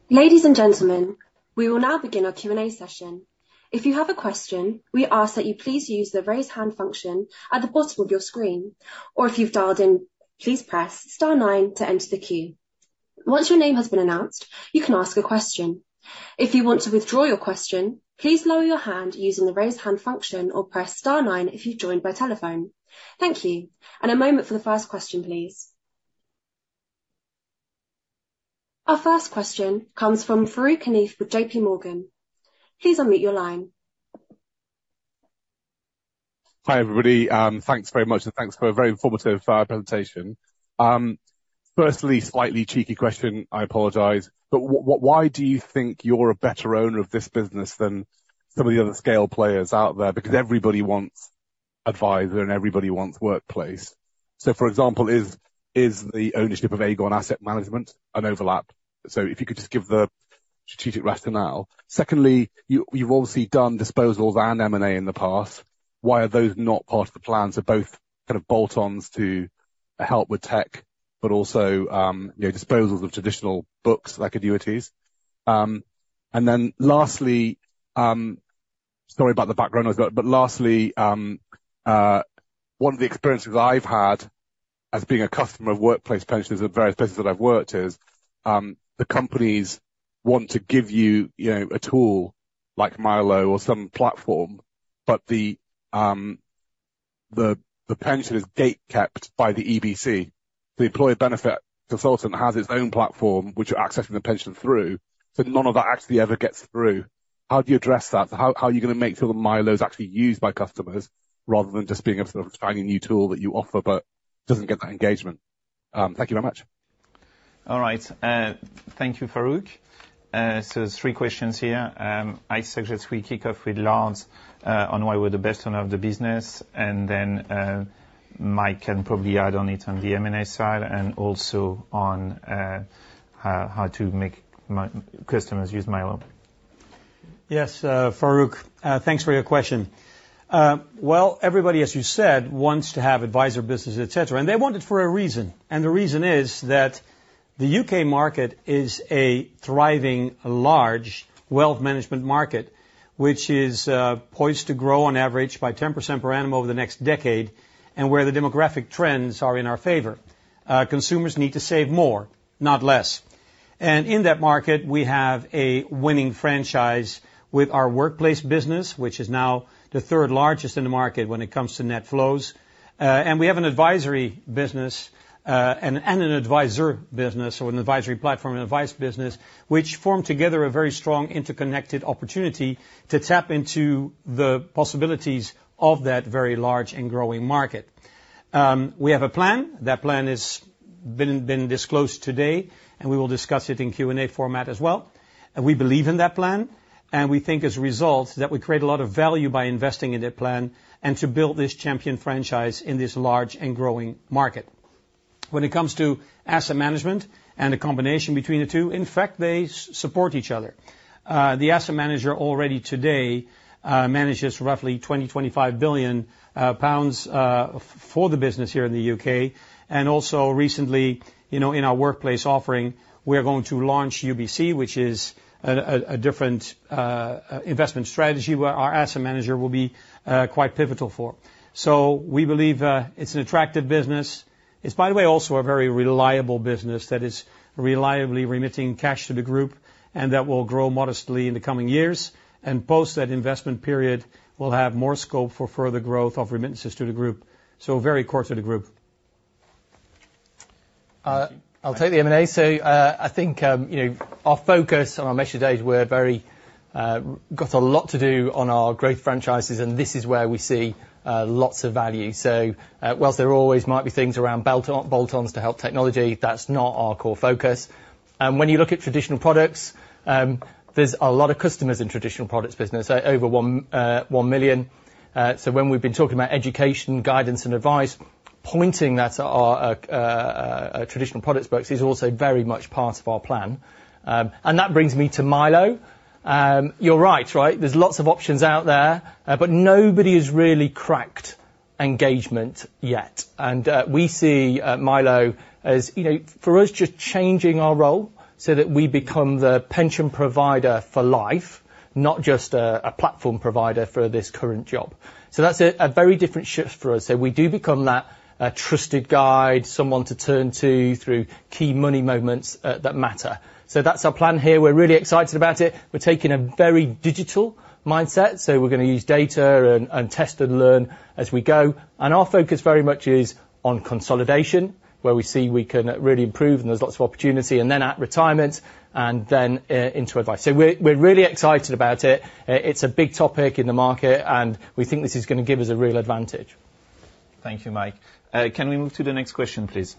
driven by the- Ladies and gentlemen, we will now begin our Q&A session. If you have a question, we ask that you please use the Raise Hand function at the bottom of your screen. Or if you've dialed in, please press star nine to enter the queue. Once your name has been announced, you can ask a question. If you want to withdraw your question, please lower your hand using the Raise Hand function or press star nine if you've joined by telephone. Thank you, and a moment for the first question, please. Our first question comes from Farooq Hanif with J.P. Morgan. Please unmute your line. Hi, everybody. Thanks very much, and thanks for a very informative presentation. Firstly, slightly cheeky question, I apologize, but why do you think you're a better owner of this business than some of the other scale players out there? Because everybody wants Advisor and everybody wants Workplace. So for example, is the ownership of Aegon Asset Management an overlap? So if you could just give the strategic rationale. Secondly, you've obviously done disposals and M&A in the past. Why are those not part of the plan to both kind of bolt-ons to help with tech, but also, you know, disposals of traditional books like annuities? And then lastly... Sorry about the background noise, but lastly, one of the experiences I've had as being a customer of workplace pensions at various places that I've worked is, the companies want to give you, you know, a tool like Milo or some platform, but the pension is gatekept by the EBC. The employee benefit consultant has its own platform, which you're accessing the pension through, so none of that actually ever gets through. How do you address that? How are you going to make sure that Milo is actually used by customers rather than just being a sort of shiny new tool that you offer but doesn't get that engagement? Thank you very much. All right. Thank you, Farooq. So there's three questions here. I suggest we kick off with Lard on why we're the best owner of the business, and then Mike can probably add on it on the M&A side and also on how to make my customers use Milo. Yes, Farooq, thanks for your question. Well, everybody, as you said, wants to have advisor business, et cetera, and they want it for a reason. The reason is that the U.K. market is a thriving, large wealth management market, which is poised to grow on average by 10% per annum over the next decade, and where the demographic trends are in our favor. Consumers need to save more, not less. In that market, we have a winning franchise with our workplace business, which is now the third largest in the market when it comes to net flows. We have an advisory business, and an advisor business or an advisory platform and advice business, which form together a very strong interconnected opportunity to tap into the possibilities of that very large and growing market. We have a plan. That plan has been disclosed today, and we will discuss it in Q&A format as well. We believe in that plan, and we think as a result, that we create a lot of value by investing in that plan and to build this champion franchise in this large and growing market. When it comes to asset management and the combination between the two, in fact, they support each other. The asset manager already today manages roughly 20 billion-25 billion pounds for the business here in the U.K.. Also recently, you know, in our workplace offering, we are going to launch UBC, which is a different investment strategy, where our asset manager will be quite pivotal for. So we believe it's an attractive business. It's, by the way, also a very reliable business that is reliably remitting cash to the group, and that will grow modestly in the coming years, and post that investment period, will have more scope for further growth of remittances to the group. So very core to the group. I'll take the M&A. So, I think, you know, our focus on our Capital Markets Day, we're very, got a lot to do on our growth franchises, and this is where we see, lots of value. So, whilst there always might be things around bolt-on bolt-ons to help technology, that's not our core focus. And when you look at traditional products, there's a lot of customers in traditional products business, over 1 million. So when we've been talking about education, guidance, and advice, pointing that at our, traditional products book is also very much part of our plan. And that brings me to Milo. You're right, right? There's lots of options out there, but nobody has really cracked engagement yet, and we see Milo as, you know, for us, just changing our role so that we become the pension provider for life, not just a platform provider for this current job. So that's a very different shift for us. So we do become that, a trusted guide, someone to turn to through key money moments that matter. So that's our plan here. We're really excited about it. We're taking a very digital mindset, so we're gonna use data and test and learn as we go. And our focus very much is on consolidation, where we see we can really improve, and there's lots of opportunity, and then at retirement, and then into advice. So we're really excited about it. It's a big topic in the market, and we think this is gonna give us a real advantage. Thank you, Mike. Can we move to the next question, please?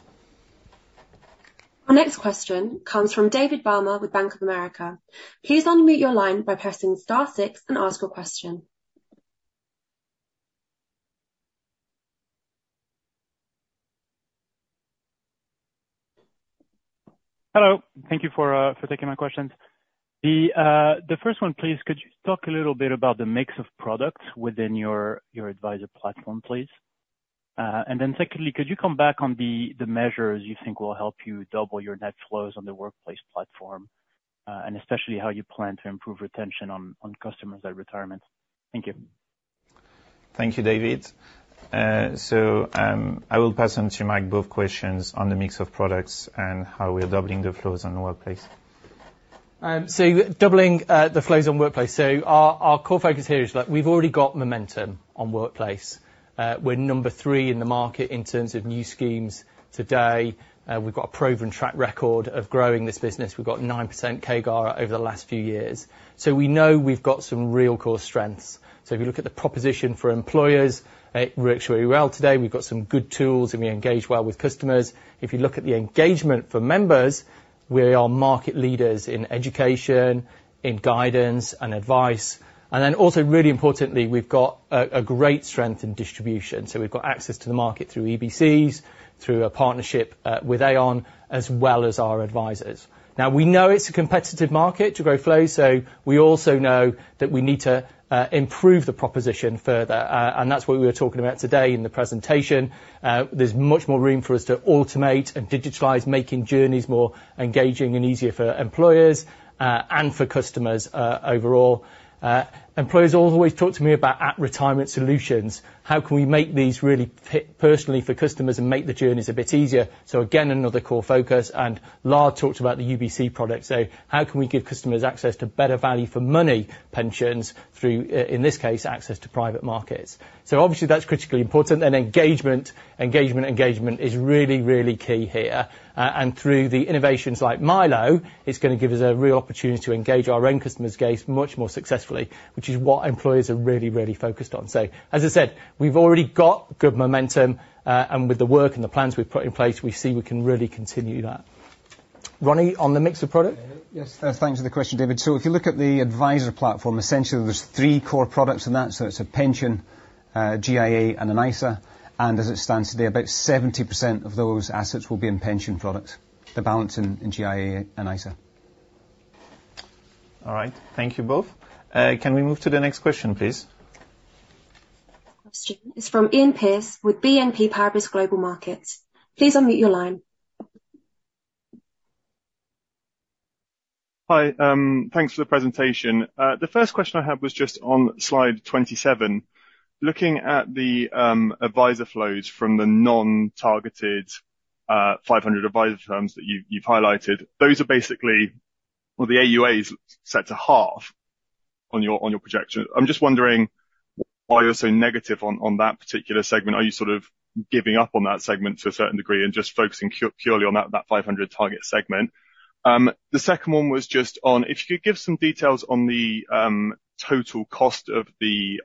Our next question comes from David Barma with Bank of America. Please unmute your line by pressing star six and ask your question. Hello. Thank you for taking my questions. The first one, please, could you talk a little bit about the mix of products within your Adviser Platform, please? And then secondly, could you come back on the measures you think will help you double your net flows on the Workplace Platform, and especially how you plan to improve retention on customers at retirement? Thank you. Thank you, David. So, I will pass on to Mike both questions on the mix of products and how we are doubling the flows on the workplace. So doubling the flows on Workplace. So our core focus here is that we've already got momentum on Workplace. We're number three in the market in terms of new schemes today. We've got a proven track record of growing this business. We've got 9% CAGR over the last few years. So we know we've got some real core strengths. So if you look at the proposition for employers, it works very well today. We've got some good tools, and we engage well with customers. If you look at the engagement for members, we are market leaders in education, in guidance and advice, and then also, really importantly, we've got a great strength in distribution. So we've got access to the market through EBCs, through a partnership with Aon, as well as our advisors. Now, we know it's a competitive market to grow flows, so we also know that we need to improve the proposition further, and that's what we were talking about today in the presentation. There's much more room for us to automate and digitalize, making journeys more engaging and easier for employers, and for customers, overall. Employers always talk to me about at-retirement solutions. How can we make these really personally for customers and make the journeys a bit easier? So again, another core focus, and Lard talked about the UBC product. So how can we give customers access to better value for money pensions through, in this case, access to private markets? So obviously, that's critically important, and engagement, engagement, engagement is really, really key here. Through the innovations like Milo, it's gonna give us a real opportunity to engage our own customers much more successfully, which is what employers are really, really focused on. So, as I said, we've already got good momentum, and with the work and the plans we've put in place, we see we can really continue that. Ronnie, on the mix of product? Yes, thanks for the question, David. So if you look at the adviser Platform, essentially, there's three core products in that. So it's a pension, GIA and an ISA, and as it stands today, about 70% of those assets will be in pension products, the balance in GIA and ISA. All right. Thank you both. Can we move to the next question, please? Question is from Iain Pearce with BNP Paribas Global Markets. Please unmute your line. Hi. Thanks for the presentation. The first question I had was just on Slide 27. Looking at the advisor flows from the non-targeted 500 advisor firms that you've highlighted, those are basically... Well, the AUA is set to half on your projection. I'm just wondering why you're so negative on that particular segment. Are you sort of giving up on that segment to a certain degree and just focusing purely on that 500 target segment? The second one was just on if you could give some details on the total cost of the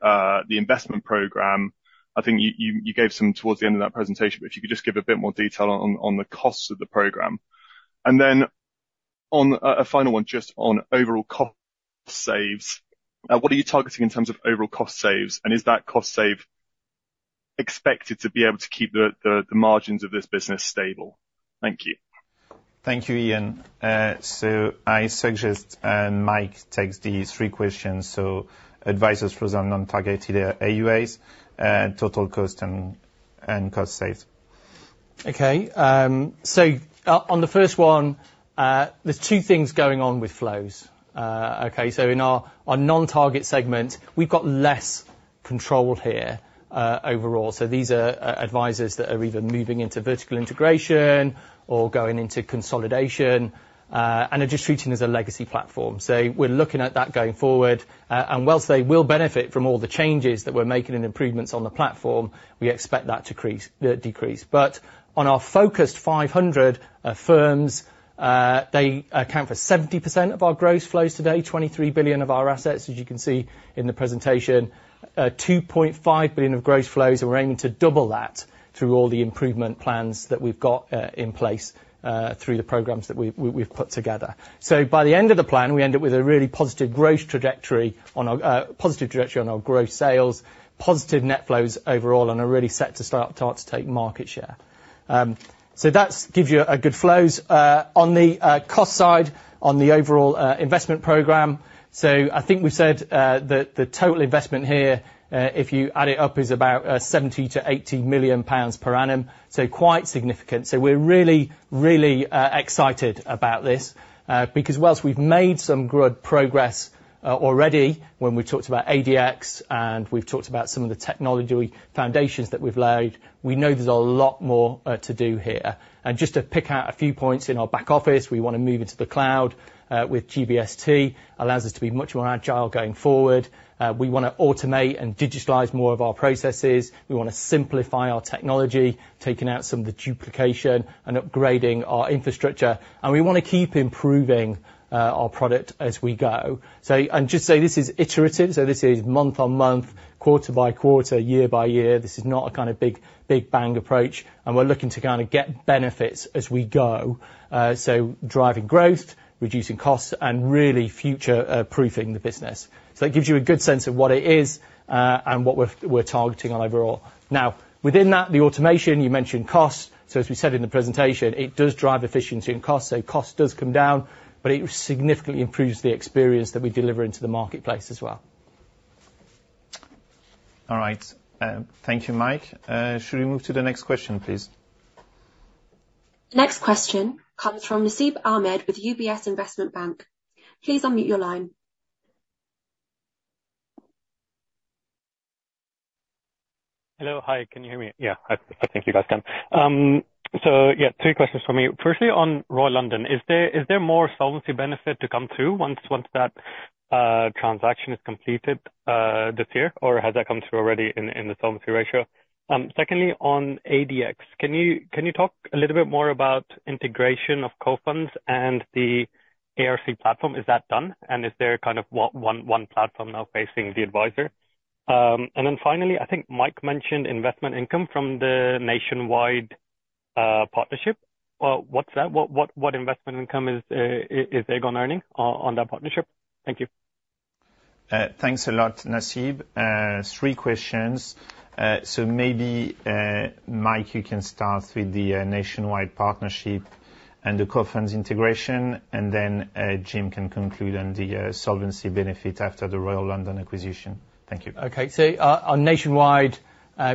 investment program. I think you gave some towards the end of that presentation, but if you could just give a bit more detail on the costs of the program. Then on a final one, just on overall cost saves, what are you targeting in terms of overall cost saves, and is that cost save expected to be able to keep the margins of this business stable? Thank you. Thank you, Ian. So I suggest Mike takes these three questions, so advisors flows on non-targeted AUAs, total cost and cost saves. Okay. So on the first one, there's two things going on with flows. Okay, so in our non-target segment, we've got less controlled here, overall. So these are advisors that are either moving into vertical integration or going into consolidation, and are just treating as a legacy platform. So we're looking at that going forward. And while they will benefit from all the changes that we're making and improvements on the platform, we expect that to decrease. But on our focused 500 firms, they account for 70% of our gross flows today, 23 billion of our assets, as you can see in the presentation. 2.5 billion of gross flows, and we're aiming to double that through all the improvement plans that we've got in place through the programs that we've put together. So by the end of the plan, we end up with a really positive growth trajectory on our positive trajectory on our growth sales, positive net flows overall, and are really set to start to take market share. So that's gives you a good flows. On the cost side, on the overall investment program, so I think we said that the total investment here, if you add it up, is about 70 million-80 million pounds per annum, so quite significant. So we're really, really, excited about this, because whilst we've made some good progress, already when we talked about ADX and we've talked about some of the technology foundations that we've laid, we know there's a lot more, to do here. And just to pick out a few points, in our back office, we want to move into the cloud, with GBST, allows us to be much more agile going forward. We want to automate and digitalize more of our processes. We want to simplify our technology, taking out some of the duplication and upgrading our infrastructure, and we want to keep improving, our product as we go. So, and just so this is iterative, so this is month on month, quarter by quarter, year by year. This is not a kind of big, big bang approach, and we're looking to kind of get benefits as we go. So driving growth, reducing costs, and really future-proofing the business. So it gives you a good sense of what it is, and what we're targeting on overall. Now, within that, the automation, you mentioned costs. So as we said in the presentation, it does drive efficiency and cost, so cost does come down, but it significantly improves the experience that we deliver into the marketplace as well. All right. Thank you, Mike. Should we move to the next question, please? Next question comes from Nasib Ahmed with UBS Investment Bank. Please unmute your line. Hello. Hi, can you hear me? Yeah, I, I think you guys can. So yeah, three questions for me. Firstly, on Royal London, is there more solvency benefit to come through once that transaction is completed this year, or has that come through already in the solvency ratio? Secondly, on ADX, can you talk a little bit more about integration of Cofunds and the ARC platform? Is that done, and is there kind of one platform now facing the adviser? And then finally, I think Mike mentioned investment income from the Nationwide partnership. What's that? What investment income is Aegon earning on that partnership? Thank you. Thanks a lot, Nasib. Three questions. So maybe, Mike, you can start with the Nationwide partnership and the Cofunds integration, and then, Jim can conclude on the solvency benefit after the Royal London acquisition. Thank you. Okay. So on Nationwide,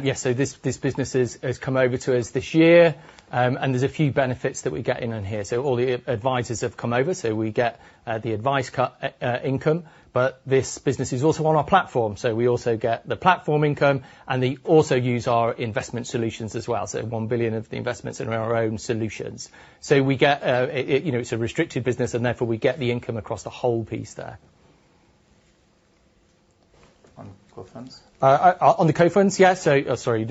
yes, so this business has come over to us this year, and there's a few benefits that we're getting in here. So all the advisors have come over, so we get the advice cut income, but this business is also on our platform, so we also get the platform income, and they also use our investment solutions as well, so 1 billion of the investments in our own solutions. So we get it, you know, it's a restricted business, and therefore, we get the income across the whole piece there. On Cofunds? On the Cofunds? Yes. So, oh, sorry,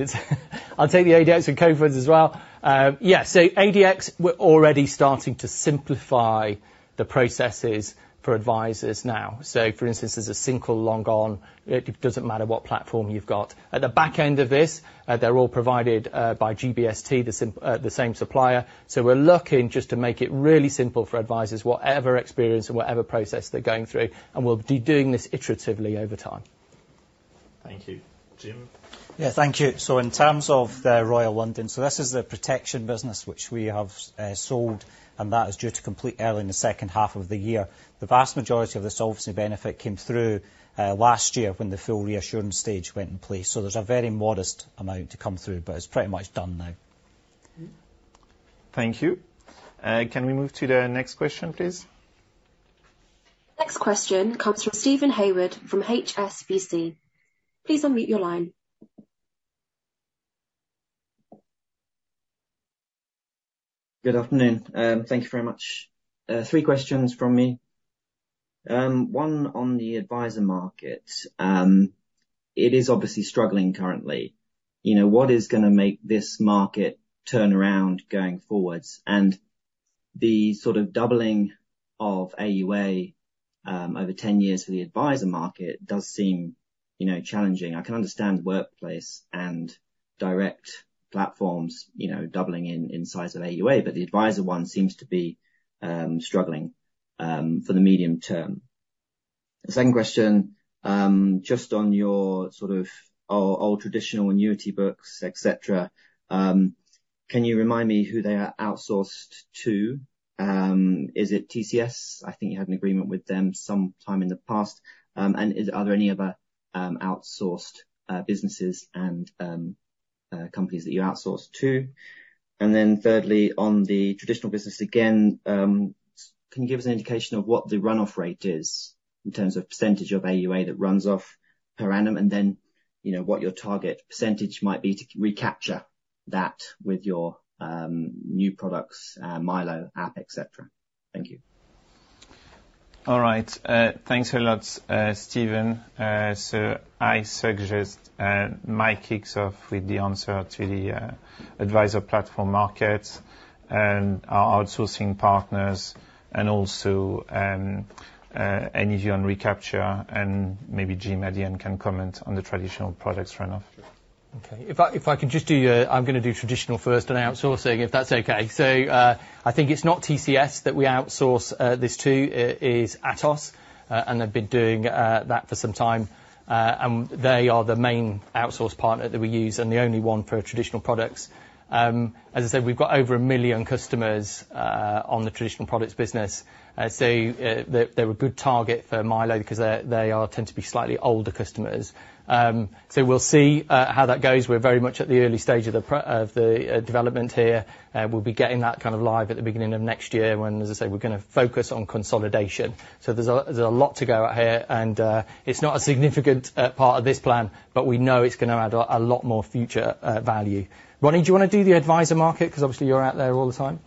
I'll take the ADX and Cofunds as well. Yeah, so ADX, we're already starting to simplify the processes for advisors now. So for instance, there's a single log on. It doesn't matter what platform you've got. At the back end of this, they're all provided by GBST, the same supplier. So we're looking just to make it really simple for advisors, whatever experience or whatever process they're going through, and we'll be doing this iteratively over time. Thank you. Jim? Yeah, thank you. So in terms of the Royal London, so this is the protection business which we have sold, and that is due to complete early in the second half of the year. The vast majority of this solvency benefit came through last year when the full reassurance stage went in place. So there's a very modest amount to come through, but it's pretty much done now. Thank you. Can we move to the next question, please? Next question comes from Steven Haywood, from HSBC. Please unmute your line. Good afternoon. Thank you very much. Three questions from me. One on the advisor market. It is obviously struggling currently. You know, what is gonna make this market turn around going forwards? And the sort of doubling of AUA, over 10 years for the advisor market does seem, you know, challenging. I can understand workplace and direct platforms, you know, doubling in size of AUA, but the advisor one seems to be struggling for the medium term. The second question, just on your sort of old traditional annuity books, et cetera, can you remind me who they are outsourced to? Is it TCS? I think you had an agreement with them some time in the past. And are there any other outsourced businesses and, companies that you outsource to? And then thirdly, on the traditional business again, can you give us an indication of what the run-off rate is in terms of percentage of AUA that runs off per annum, and then, you know, what your target percentage might be to recapture that with your, new products, Milo app, et cetera? Thank you. All right, thanks a lot, Steven. So I suggest, Mike kicks off with the answer to the Adviser Platform market and our outsourcing partners, and also, any view on recapture, and maybe Jim at the end can comment on the traditional products run-off. Okay. If I could just do, I'm going to do traditional first and outsourcing, if that's okay. So, I think it's not TCS that we outsource this to. It is Atos, and they've been doing that for some time. And they are the main outsource partner that we use and the only one for traditional products. As I said, we've got over 1 million customers on the traditional products business, so they are a good target for Milo because they tend to be slightly older customers. So we'll see how that goes. We're very much at the early stage of the development here. We'll be getting that kind of live at the beginning of next year, when, as I said, we're going to focus on consolidation. So there's a lot to go out here, and it's not a significant part of this plan, but we know it's going to add a lot more future value. Ronnie, do you want to do the advisor market? Because obviously you're out there all the time.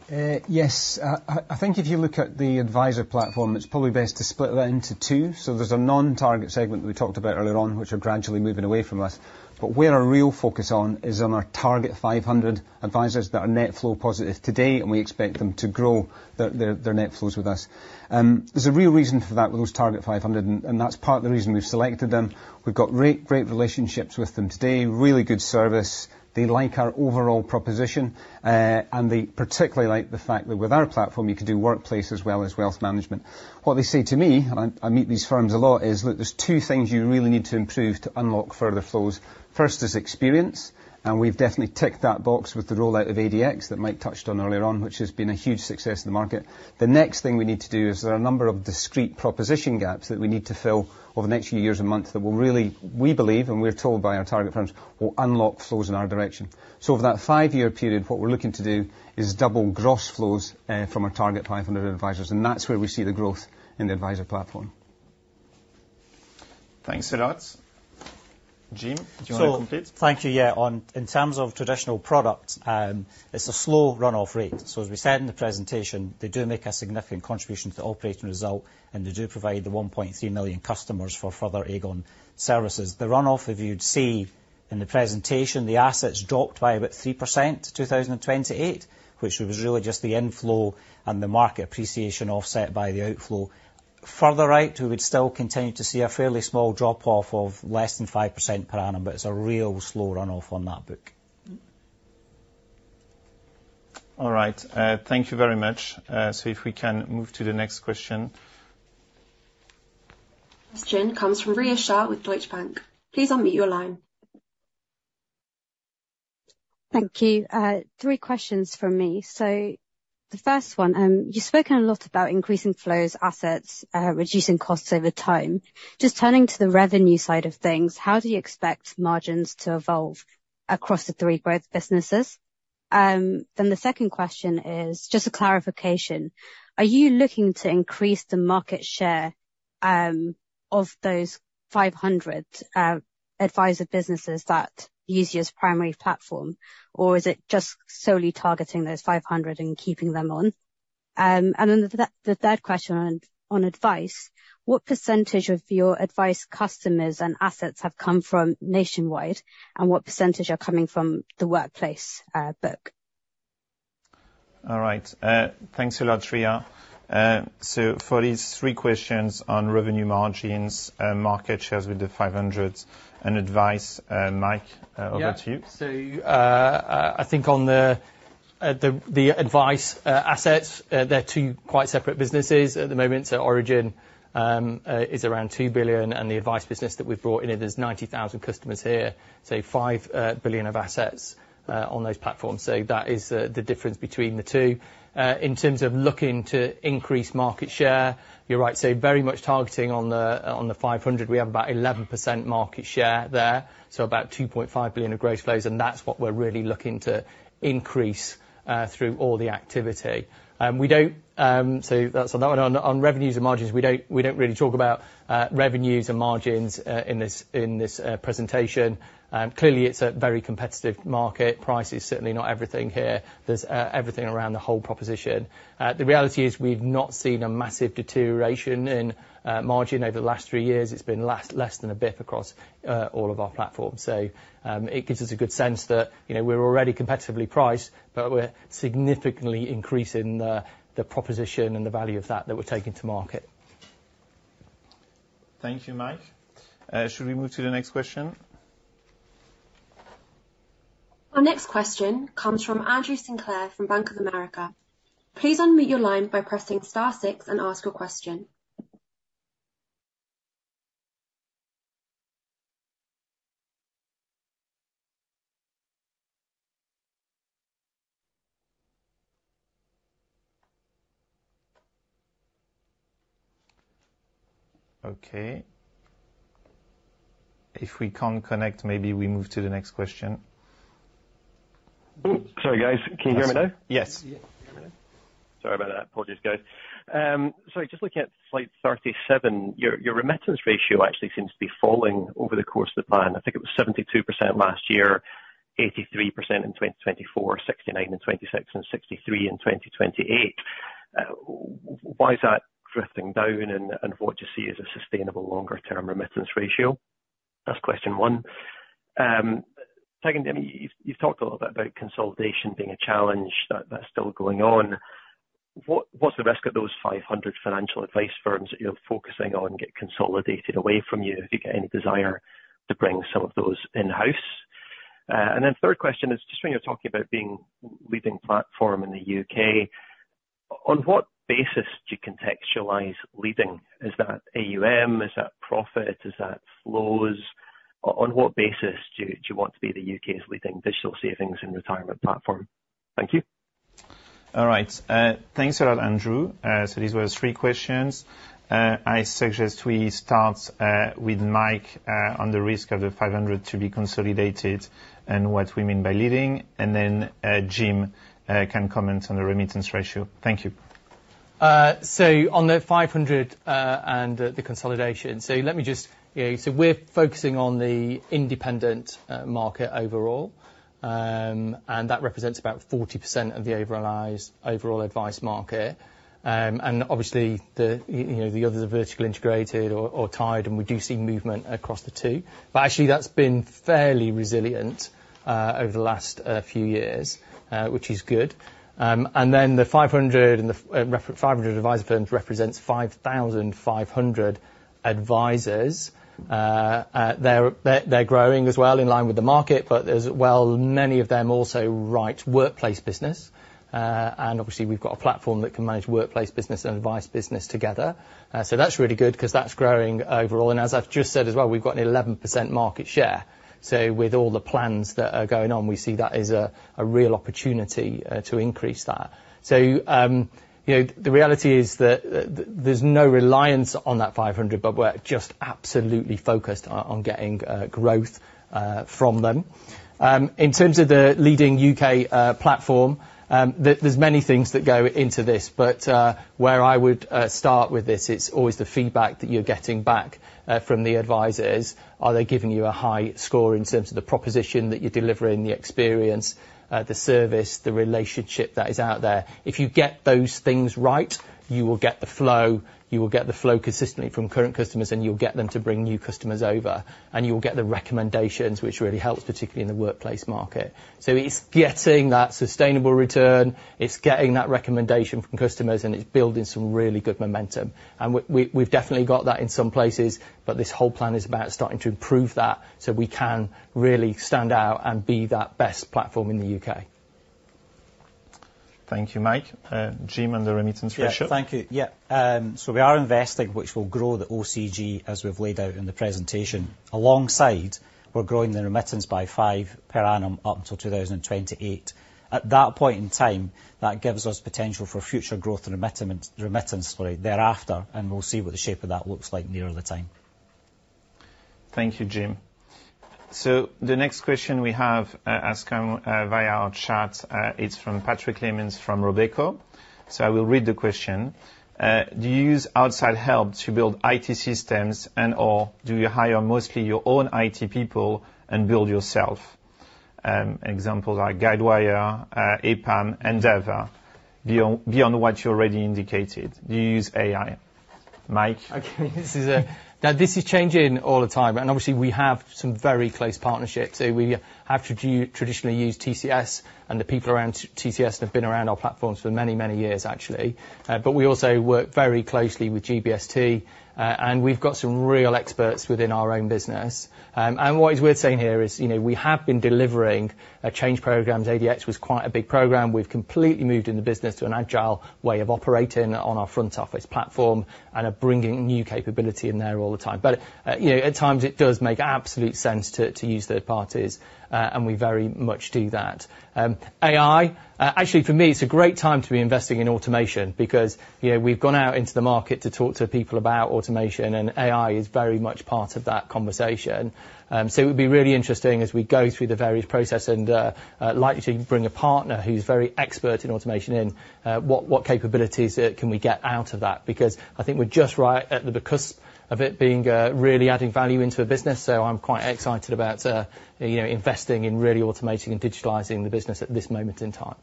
Yes. I think if you look at the Adviser Platform, it's probably best to split that into two. So there's a non-target segment we talked about earlier on, which are gradually moving away from us. But where our real focus on is on our target 500 advisers that are net flow positive today, and we expect them to grow their net flows with us. There's a real reason for that, with those target 500, and that's part of the reason we've selected them. We've got great, great relationships with them today, really good service. They like our overall proposition, and they particularly like the fact that with our platform, you can do workplace as well as wealth management. What they say to me, and I meet these firms a lot, is: Look, there's two things you really need to improve to unlock further flows. First is experience, and we've definitely ticked that box with the rollout of ADX that Mike touched on earlier on, which has been a huge success in the market. The next thing we need to do is there are a number of discrete proposition gaps that we need to fill over the next few years and months that will really, we believe, and we're told by our target firms, will unlock flows in our direction. So over that five-year period, what we're looking to do is double gross flows from our target 500 advisers, and that's where we see the growth in the Adviser Platform. Thanks a lot. Jim, do you want to complete? So thank you. Yeah, on in terms of traditional products, it's a slow run-off rate. So as we said in the presentation, they do make a significant contribution to the operating result, and they do provide the 1.3 million customers for further Aegon services. The run-off, if you'd see in the presentation, the assets dropped by about 3% in 2028, which was really just the inflow and the market appreciation, offset by the outflow. Further right, we would still continue to see a fairly small drop-off of less than 5% per annum, but it's a real slow run-off on that book. All right, thank you very much. If we can move to the next question. Question comes from Rhea Shah with Deutsche Bank. Please unmute your line. Thank you. Three questions from me. So the first one, you've spoken a lot about increasing flows, assets, reducing costs over time. Just turning to the revenue side of things, how do you expect margins to evolve across the three growth businesses? Then the second question is just a clarification: Are you looking to increase the market share of those 500 advisor businesses that use you as a primary platform, or is it just solely targeting those 500 and keeping them on? And then the third question on advice: What percentage of your advice customers and assets have come from Nationwide, and what percentage are coming from the workplace book? All right. Thanks a lot, Rhea. So for these three questions on revenue margins and market shares with the 500 and advice, Mike, over to you. Yeah. So, I think on the advice assets, they're two quite separate businesses at the moment. So Origen is around 2 billion, and the advice business that we've brought in, there's 90,000 customers here, so 5 billion of assets on those platforms. So that is the difference between the two. In terms of looking to increase market share, you're right, so very much targeting on the 500. We have about 11% market share there, so about 2.5 billion of gross flows, and that's what we're really looking to increase through all the activity. We don't... So that's on that one. On revenues and margins, we don't really talk about revenues and margins in this presentation. Clearly, it's a very competitive market. Price is certainly not everything here. There's everything around the whole proposition. The reality is we've not seen a massive deterioration in margin over the last three years. It's been less than a basis point across all of our platforms. So, it gives us a good sense that, you know, we're already competitively priced, but we're significantly increasing the proposition and the value of that that we're taking to market. Thank you, Mike. Should we move to the next question? Our next question comes from Andrew Sinclair from Bank of America. Please unmute your line by pressing star six and ask your question. ... Okay. If we can't connect, maybe we move to the next question. Sorry, guys. Can you hear me now? Yes. Sorry about that. Apologies, guys. So just looking at slide 37, your remittance ratio actually seems to be falling over the course of the plan. I think it was 72% last year, 83% in 2024, 69% in 2026, and 63% in 2028. Why is that drifting down, and what do you see as a sustainable longer-term remittance ratio? That's question one. Second, I mean, you've talked a little bit about consolidation being a challenge that's still going on. What's the risk of those 500 financial advice firms that you're focusing on get consolidated away from you? Do you get any desire to bring some of those in-house? And then third question is, just when you're talking about being leading platform in the U.K., on what basis do you contextualize leading? Is that AUM? Is that profit? Is that flows? On what basis do you, do you want to be the U.K.'s leading digital savings and retirement platform? Thank you. All right. Thanks a lot, Andrew. These were three questions. I suggest we start with Mike on the risk of the 500 to be consolidated and what we mean by leading, and then Jim can comment on the remittance ratio. Thank you. So on the 500 and the consolidation, so let me just, you know... So we're focusing on the independent market overall, and that represents about 40% of the overall advice market. And obviously, you know, the others are vertically integrated or tied, and we do see movement across the two. But actually, that's been fairly resilient over the last few years, which is good. And then, the 500 advisor firms represents 5,500 advisors. They're growing as well in line with the market, but as well, many of them also write workplace business. And obviously, we've got a platform that can manage workplace business and advice business together. So that's really good, 'cause that's growing overall. As I've just said as well, we've got an 11% market share. So with all the plans that are going on, we see that as a real opportunity to increase that. So, you know, the reality is that, there's no reliance on that 500, but we're just absolutely focused on getting growth from them. In terms of the leading U.K. platform, there, there's many things that go into this, but, where I would start with this, it's always the feedback that you're getting back from the advisors. Are they giving you a high score in terms of the proposition that you're delivering, the experience, the service, the relationship that is out there? If you get those things right, you will get the flow, you will get the flow consistently from current customers, and you'll get them to bring new customers over, and you'll get the recommendations, which really helps, particularly in the workplace market. So it's getting that sustainable return, it's getting that recommendation from customers, and it's building some really good momentum. And we, we, we've definitely got that in some places, but this whole plan is about starting to improve that, so we can really stand out and be that best platform in the U.K.. Thank you, Mike. Jim, on the remittance ratio. Yeah. Thank you. Yeah. So we are investing, which will grow the OCG, as we've laid out in the presentation. Alongside, we're growing the remittance by five per annum up until 2028. At that point in time, that gives us potential for future growth and remittance, sorry, thereafter, and we'll see what the shape of that looks like nearer the time. Thank you, Jim. So the next question we have has come via our chat. It's from Patrick Lemmens from Robeco. So I will read the question. Do you use outside help to build IT systems and/or do you hire mostly your own IT people and build yourself? Examples are Guidewire, Appian, Endava. Beyond what you already indicated, do you use AI? Mike? Okay, this is a... Now, this is changing all the time, and obviously, we have some very close partnerships. So we have traditionally used TCS, and the people around TCS have been around our platforms for many, many years, actually. But we also work very closely with GBST, and we've got some real experts within our own business. And what is worth saying here is, you know, we have been delivering a change programs. ADX was quite a big program. We've completely moved in the business to an agile way of operating on our front office platform and are bringing new capability in there all the time. But, you know, at times, it does make absolute sense to use third parties, and we very much do that. AI, actually, for me, it's a great time to be investing in automation because, you know, we've gone out into the market to talk to people about automation, and AI is very much part of that conversation. So it would be really interesting as we go through the various process and likely to bring a partner who's very expert in automation in, what capabilities can we get out of that? Because I think we're just right at the cusp of it being really adding value into a business, so I'm quite excited about, you know, investing in really automating and digitalizing the business at this moment in time.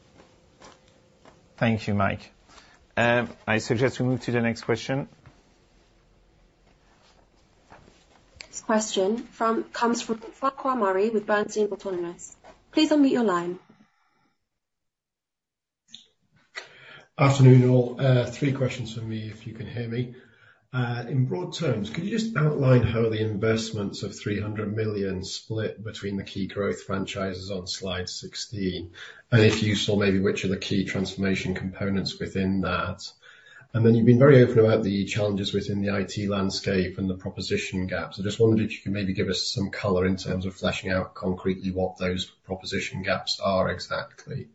Thank you, Mike. I suggest we move to the next question. This question comes from Farquhar Murray with Bernstein Autonomous. Please unmute your line. Afternoon, all. Three questions from me, if you can hear me. In broad terms, can you just outline how the investments of 300 million split between the key growth franchises on slide 16? And if you saw, maybe which are the key transformation components within that. And then, you've been very open about the challenges within the IT landscape and the proposition gaps. I just wondered if you could maybe give us some color in terms of fleshing out concretely what those proposition gaps are exactly.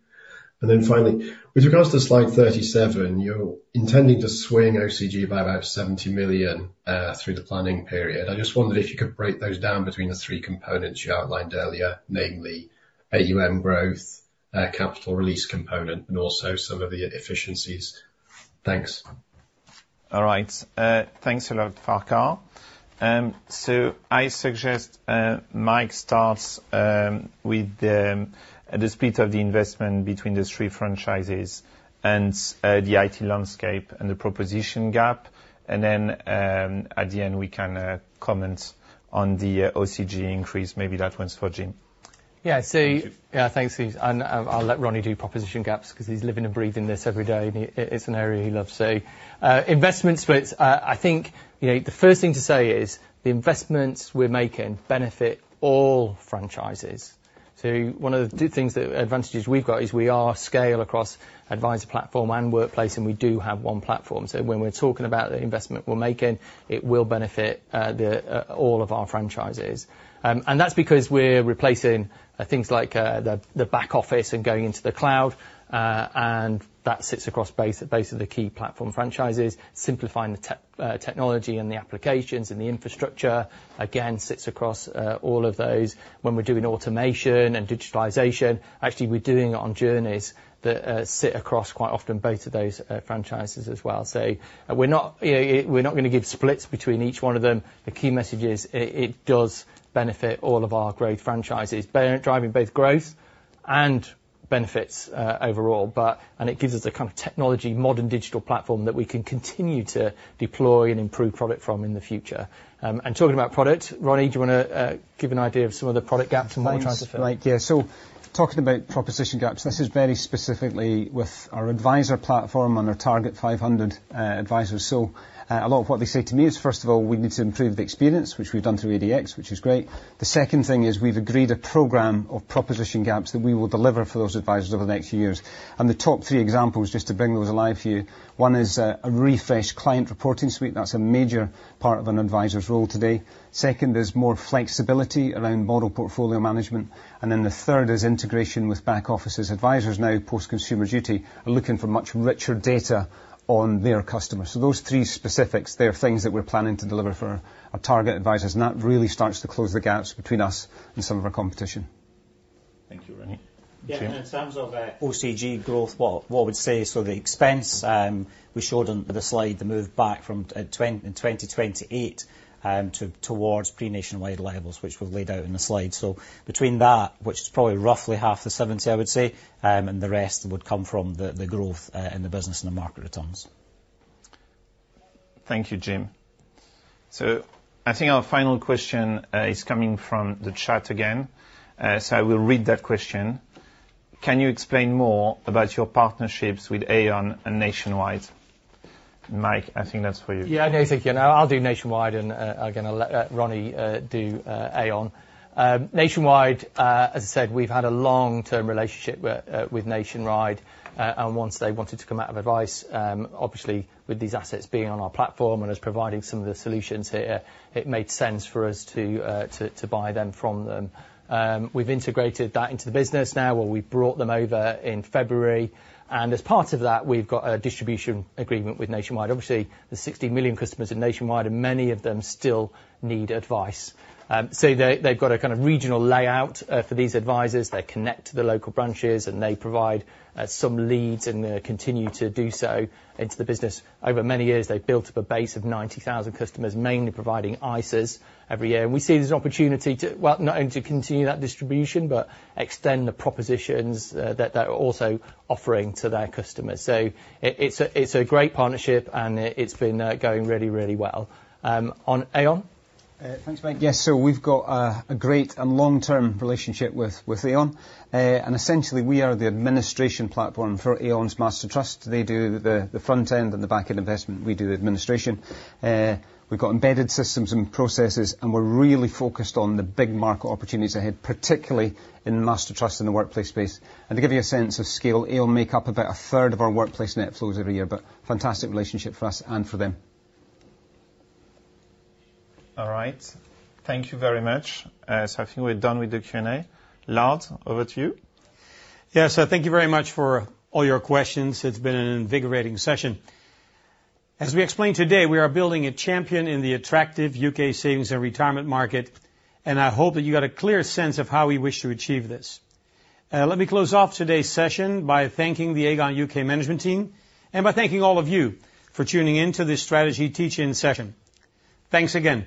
And then finally, with regards to slide 37, you're intending to swing OCG by about 70 million through the planning period. I just wondered if you could break those down between the three components you outlined earlier, namely, AUM growth, capital release component, and also some of the efficiencies. Thanks All right, thanks a lot, Farquhar. So I suggest Mike starts with the split of the investment between the three franchises and the IT landscape and the proposition gap. And then, at the end, we can comment on the OCG increase. Maybe that one's for Jim. Yeah. So- Yeah, thanks, Yves. And, I'll let Ronnie do proposition gaps 'cause he's living and breathing this every day, and it's an area he loves. So, investment splits, I think, you know, the first thing to say is the investments we're making benefit all franchises. So one of the two advantages we've got is we have scale across Adviser Platform and workplace, and we do have one platform. So when we're talking about the investment we're making, it will benefit all of our franchises. And that's because we're replacing things like the back office and going into the cloud. And that sits across both of the key platform franchises, simplifying the technology and the applications and the infrastructure, again, sits across all of those. When we're doing automation and digitalization, actually, we're doing it on journeys that sit across, quite often, both of those franchises as well. So we're not gonna give splits between each one of them. The key message is it does benefit all of our growth franchises, driving both growth and benefits overall. And it gives us a kind of technology, modern digital platform that we can continue to deploy and improve product from in the future. And talking about product, Ronnie, do you wanna give an idea of some of the product gaps and what we're trying to fill? Thanks, Mike. Yeah, so talking about proposition gaps, this is very specifically with our adviser Platform and our target 500 advisors. So, a lot of what they say to me is, first of all, we need to improve the experience, which we've done through ADX, which is great. The second thing is we've agreed a program of proposition gaps that we will deliver for those advisors over the next few years. And the top three examples, just to bring those alive for you, one is a refreshed client reporting suite. That's a major part of an advisor's role today. Second is more flexibility around model portfolio management, and then the third is integration with back offices. Advisors now, post-Consumer Duty, are looking for much richer data on their customers. Those three specifics, they are things that we're planning to deliver for our target advisors, and that really starts to close the gaps between us and some of our competition. Thank you, Ronnie. Jim? Yeah, in terms of OCG growth, what we'd say, so the expense we showed on the slide, the move back from 2028 towards pre-Nationwide levels, which we've laid out in the slide. So between that, which is probably roughly half the 70, I would say, and the rest would come from the growth in the business and the market returns. Thank you, Jim. I think our final question is coming from the chat again, so I will read that question: Can you explain more about your partnerships with Aon and Nationwide? Mike, I think that's for you. Yeah, no, thank you. And I'll do Nationwide, and again, I'll let Ronnie do Aon. Nationwide, as I said, we've had a long-term relationship with Nationwide, and once they wanted to come out of advice, obviously, with these assets being on our platform and us providing some of the solutions here, it made sense for us to buy them from them. We've integrated that into the business now, where we brought them over in February, and as part of that, we've got a distribution agreement with Nationwide. Obviously, there's 60 million customers in Nationwide, and many of them still need advice. So they, they've got a kind of regional layout for these advisors. They connect to the local branches, and they provide some leads, and they continue to do so into the business. Over many years, they've built up a base of 90,000 customers, mainly providing ISAs every year. We see there's an opportunity to... Well, not only to continue that distribution, but extend the propositions that they're also offering to their customers. It's a great partnership, and it's been going really, really well. On Aon? Thanks, Mike. Yes, so we've got a great and long-term relationship with Aon. And essentially, we are the administration platform for Aon MasterTrust. They do the front end and the back-end investment. We do the administration. We've got embedded systems and processes, and we're really focused on the big market opportunities ahead, particularly in the master trust and the workplace space. And to give you a sense of scale, Aon make up about a third of our workplace net flows every year, but fantastic relationship for us and for them. All right. Thank you very much. So I think we're done with the Q&A. Lard, over to you. Yeah, so thank you very much for all your questions. It's been an invigorating session. As we explained today, we are building a champion in the attractive U.K. savings and retirement market, and I hope that you got a clear sense of how we wish to achieve this. Let me close off today's session by thanking the Aegon U.K. management team and by thanking all of you for tuning in to this strategy teach-in session. Thanks again.